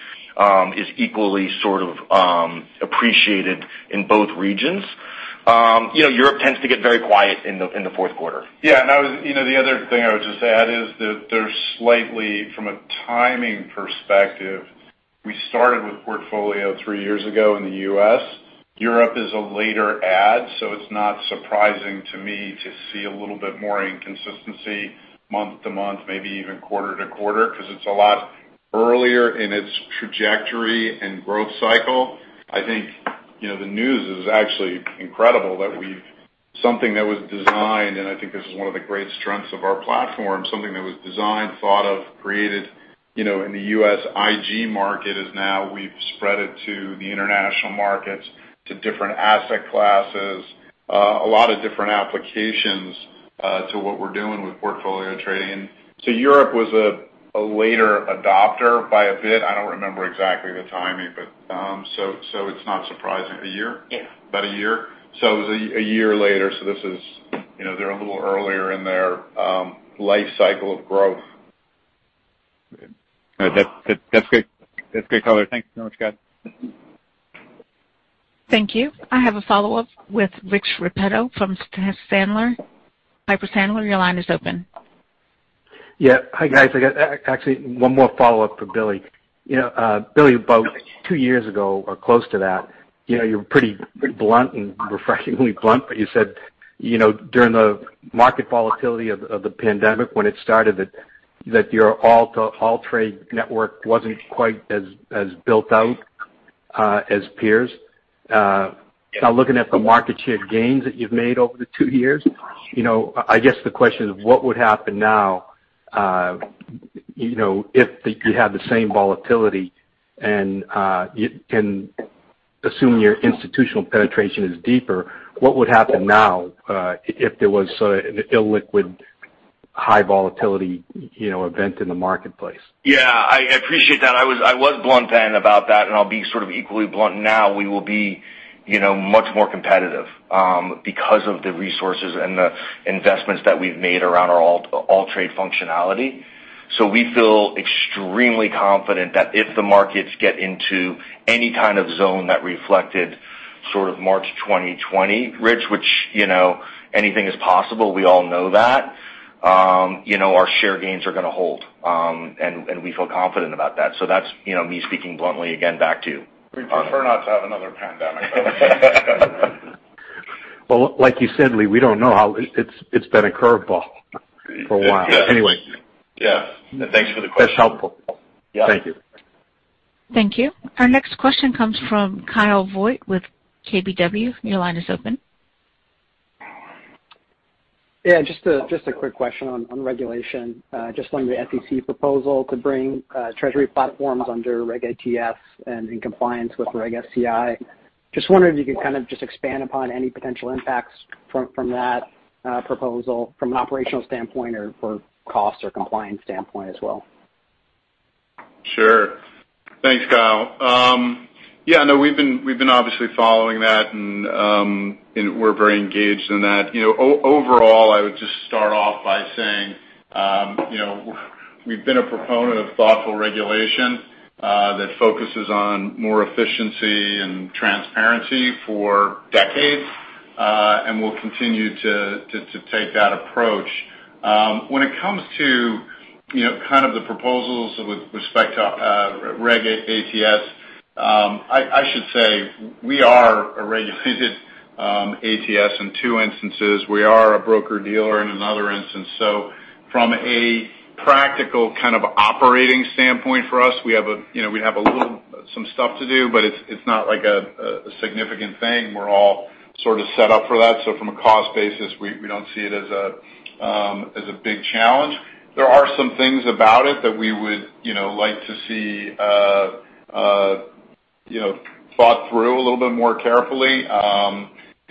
is equally sort of appreciated in both regions. You know, Europe tends to get very quiet in the fourth quarter. Yeah. No, you know, the other thing I would just add is that there's a slight from a timing perspective, we started Portfolio Trading three years ago in the U.S. Europe is a later add, so it's not surprising to me to see a little bit more inconsistency month-to-month, maybe even quarter-to-quarter, 'cause it's a lot earlier in its trajectory and growth cycle. I think, you know, the news is actually incredible that we've something that was designed, and I think this is one of the great strengths of our platform, thought of, created, you know, in the U.S. IG market is now we've spread it to the international markets, to different asset classes, a lot of different applications, to what we're doing with Portfolio Trading. Europe was a later adopter by a bit. I don't remember exactly the timing, but, so it's not surprising. A year? Yeah. About a year. It was a year later, so this is, you know, they're a little earlier in their life cycle of growth. That's great. That's great color. Thank you so much, guys. Thank you. I have a follow-up with Richard Repetto from Piper Sandler. Your line is open. Yeah. Hi, guys. I got actually one more follow-up for Billy. You know, Billy, about two years ago or close to that, you know, you were pretty blunt and refreshingly blunt, but you said, you know, during the market volatility of the pandemic when it started that your all-to-all trade network wasn't quite as built out. Now looking at the market share gains that you've made over the two years, you know, I guess the question is, what would happen now, you know, if you had the same volatility and you can assume your institutional penetration is deeper, what would happen now, if there was sort of an illiquid high volatility, you know, event in the marketplace? Yeah. I appreciate that. I was blunt then about that, and I'll be sort of equally blunt now. We will be, you know, much more competitive because of the resources and the investments that we've made around our AllTrade functionality. We feel extremely confident that if the markets get into any kind of zone that reflected sort of March 2020, Rich, which, you know, anything is possible, we all know that, you know, our share gains are gonna hold. We feel confident about that. That's, you know, me speaking bluntly again back to you. We prefer not to have another pandemic. Well, like you said, Lee, we don't know how. It's been a curveball for a while. Anyway. Yeah. Thanks for the question. That's helpful. Yeah. Thank you. Thank you. Our next question comes from Kyle Voigt with KBW. Your line is open. Yeah, just a quick question on regulation. Just learning the SEC proposal to bring treasury platforms under Regulation ATS and in compliance with Regulation SCI. Just wondering if you could kind of just expand upon any potential impacts from that proposal from an operational standpoint or for cost or compliance standpoint as well. Sure. Thanks, Kyle. Yeah, no, we've been obviously following that and we're very engaged in that. You know, overall, I would just start off by saying, you know, we've been a proponent of thoughtful regulation that focuses on more efficiency and transparency for decades, and we'll continue to take that approach. When it comes to, you know, kind of the proposals with respect to Regulation ATS, I should say we are a regulated ATS in two instances. We are a broker-dealer in another instance. So from a practical kind of operating standpoint for us, we have, you know, we have a little some stuff to do, but it's not like a significant thing. We're all sort of set up for that. From a cost basis, we don't see it as a big challenge. There are some things about it that we would, you know, like to see thought through a little bit more carefully.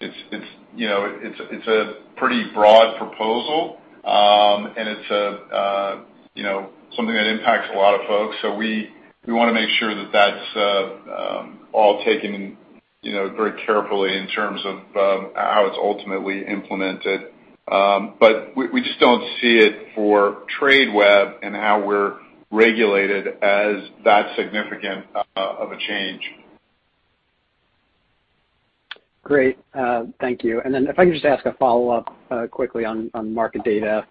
It's, you know, a pretty broad proposal, and it's something that impacts a lot of folks. We wanna make sure that that's all taken, you know, very carefully in terms of how it's ultimately implemented. We just don't see it for Tradeweb and how we're regulated as that significant of a change. Great. Thank you. If I could just ask a follow-up quickly on market data.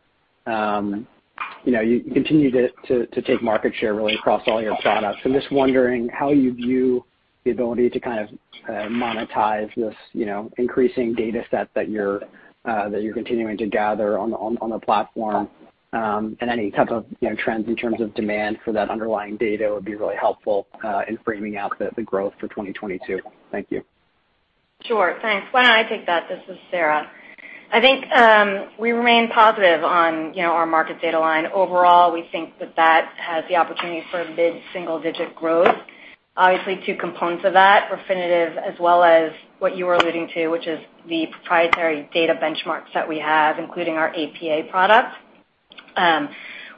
You know, you continue to take market share really across all your products. I'm just wondering how you view the ability to kind of monetize this, you know, increasing data set that you're continuing to gather on the platform, and any type of, you know, trends in terms of demand for that underlying data would be really helpful in framing out the growth for 2022. Thank you. Sure. Thanks. Why don't I take that? This is Sara. I think we remain positive on, you know, our market data line. Overall, we think that that has the opportunity for mid-single digit growth. Obviously, two components of that, Refinitiv as well as what you were alluding to, which is the proprietary data benchmarks that we have, including our APA products.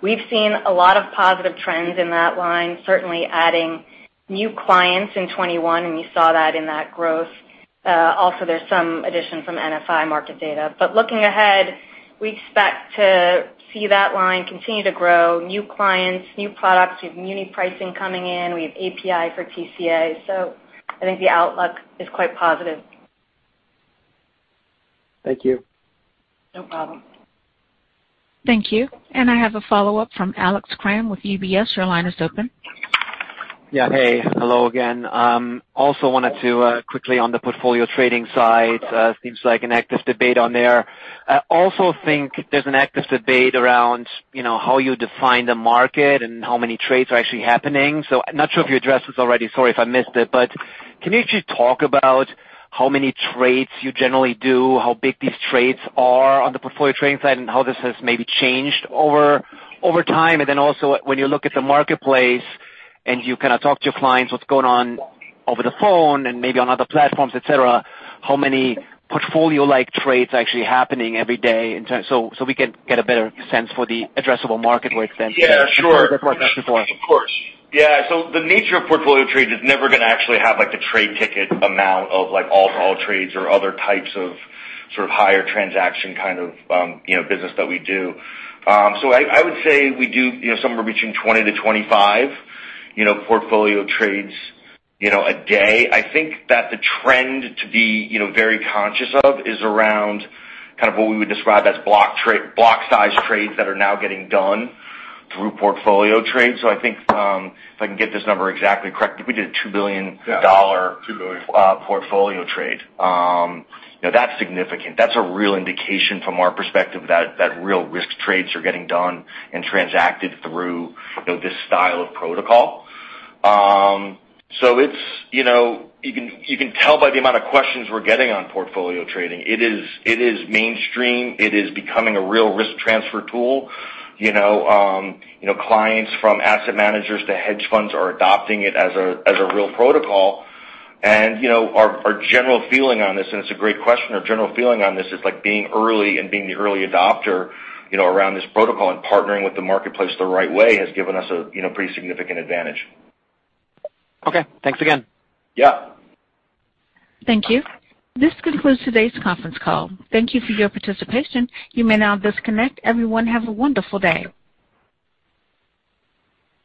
We've seen a lot of positive trends in that line, certainly adding new clients in 2021, and you saw that in that growth. Also there's some additions from NFI market data. Looking ahead, we expect to see that line continue to grow, new clients, new products. We have muni pricing coming in. We have API for TCA. So I think the outlook is quite positive. Thank you. No problem. Thank you. I have a follow-up from Alex Kramm with UBS. Your line is open. Yeah. Hey. Hello again. Also wanted to quickly on the Portfolio Trading side, seems like an active debate on there. I also think there's an active debate around, you know, how you define the market and how many trades are actually happening. I'm not sure if you addressed this already, sorry if I missed it, but can you just talk about how many trades you generally do, how big these trades are on the Portfolio Trading side, and how this has maybe changed over time? Then also when you look at the marketplace and you kinda talk to your clients, what's going on over the phone and maybe on other platforms, et cetera, how many portfolio-like trades are actually happening every day in terms so we can get a better sense for the addressable market where it stands. Yeah, sure. That's what I'm asking for. Of course. Yeah. The nature of portfolio trades is never gonna actually have, like, the trade ticket amount of, like, all trades or other types of sort of higher transaction kind of, you know, business that we do. I would say we do, you know, somewhere between 20-25, you know, portfolio trades, you know, a day. I think that the trend to be, you know, very conscious of is around kind of what we would describe as block trade block size trades that are now getting done through portfolio trades. I think, if I can get this number exactly correct, I think we did a $2 billion- Yeah. $2 billion -dollar portfolio trade. You know, that's significant. That's a real indication from our perspective that real risk trades are getting done and transacted through, you know, this style of protocol. So it's, you know, you can tell by the amount of questions we're getting on Portfolio Trading, it is mainstream. It is becoming a real risk transfer tool. You know, clients from asset managers to hedge funds are adopting it as a real protocol. You know, our general feeling on this, and it's a great question, our general feeling on this is like being early and being the early adopter, you know, around this protocol and partnering with the marketplace the right way has given us a, you know, pretty significant W. Okay, thanks again. Yeah. Thank you. This concludes today's conference call. Thank you for your participation. You may now disconnect. Everyone, have a wonderful day.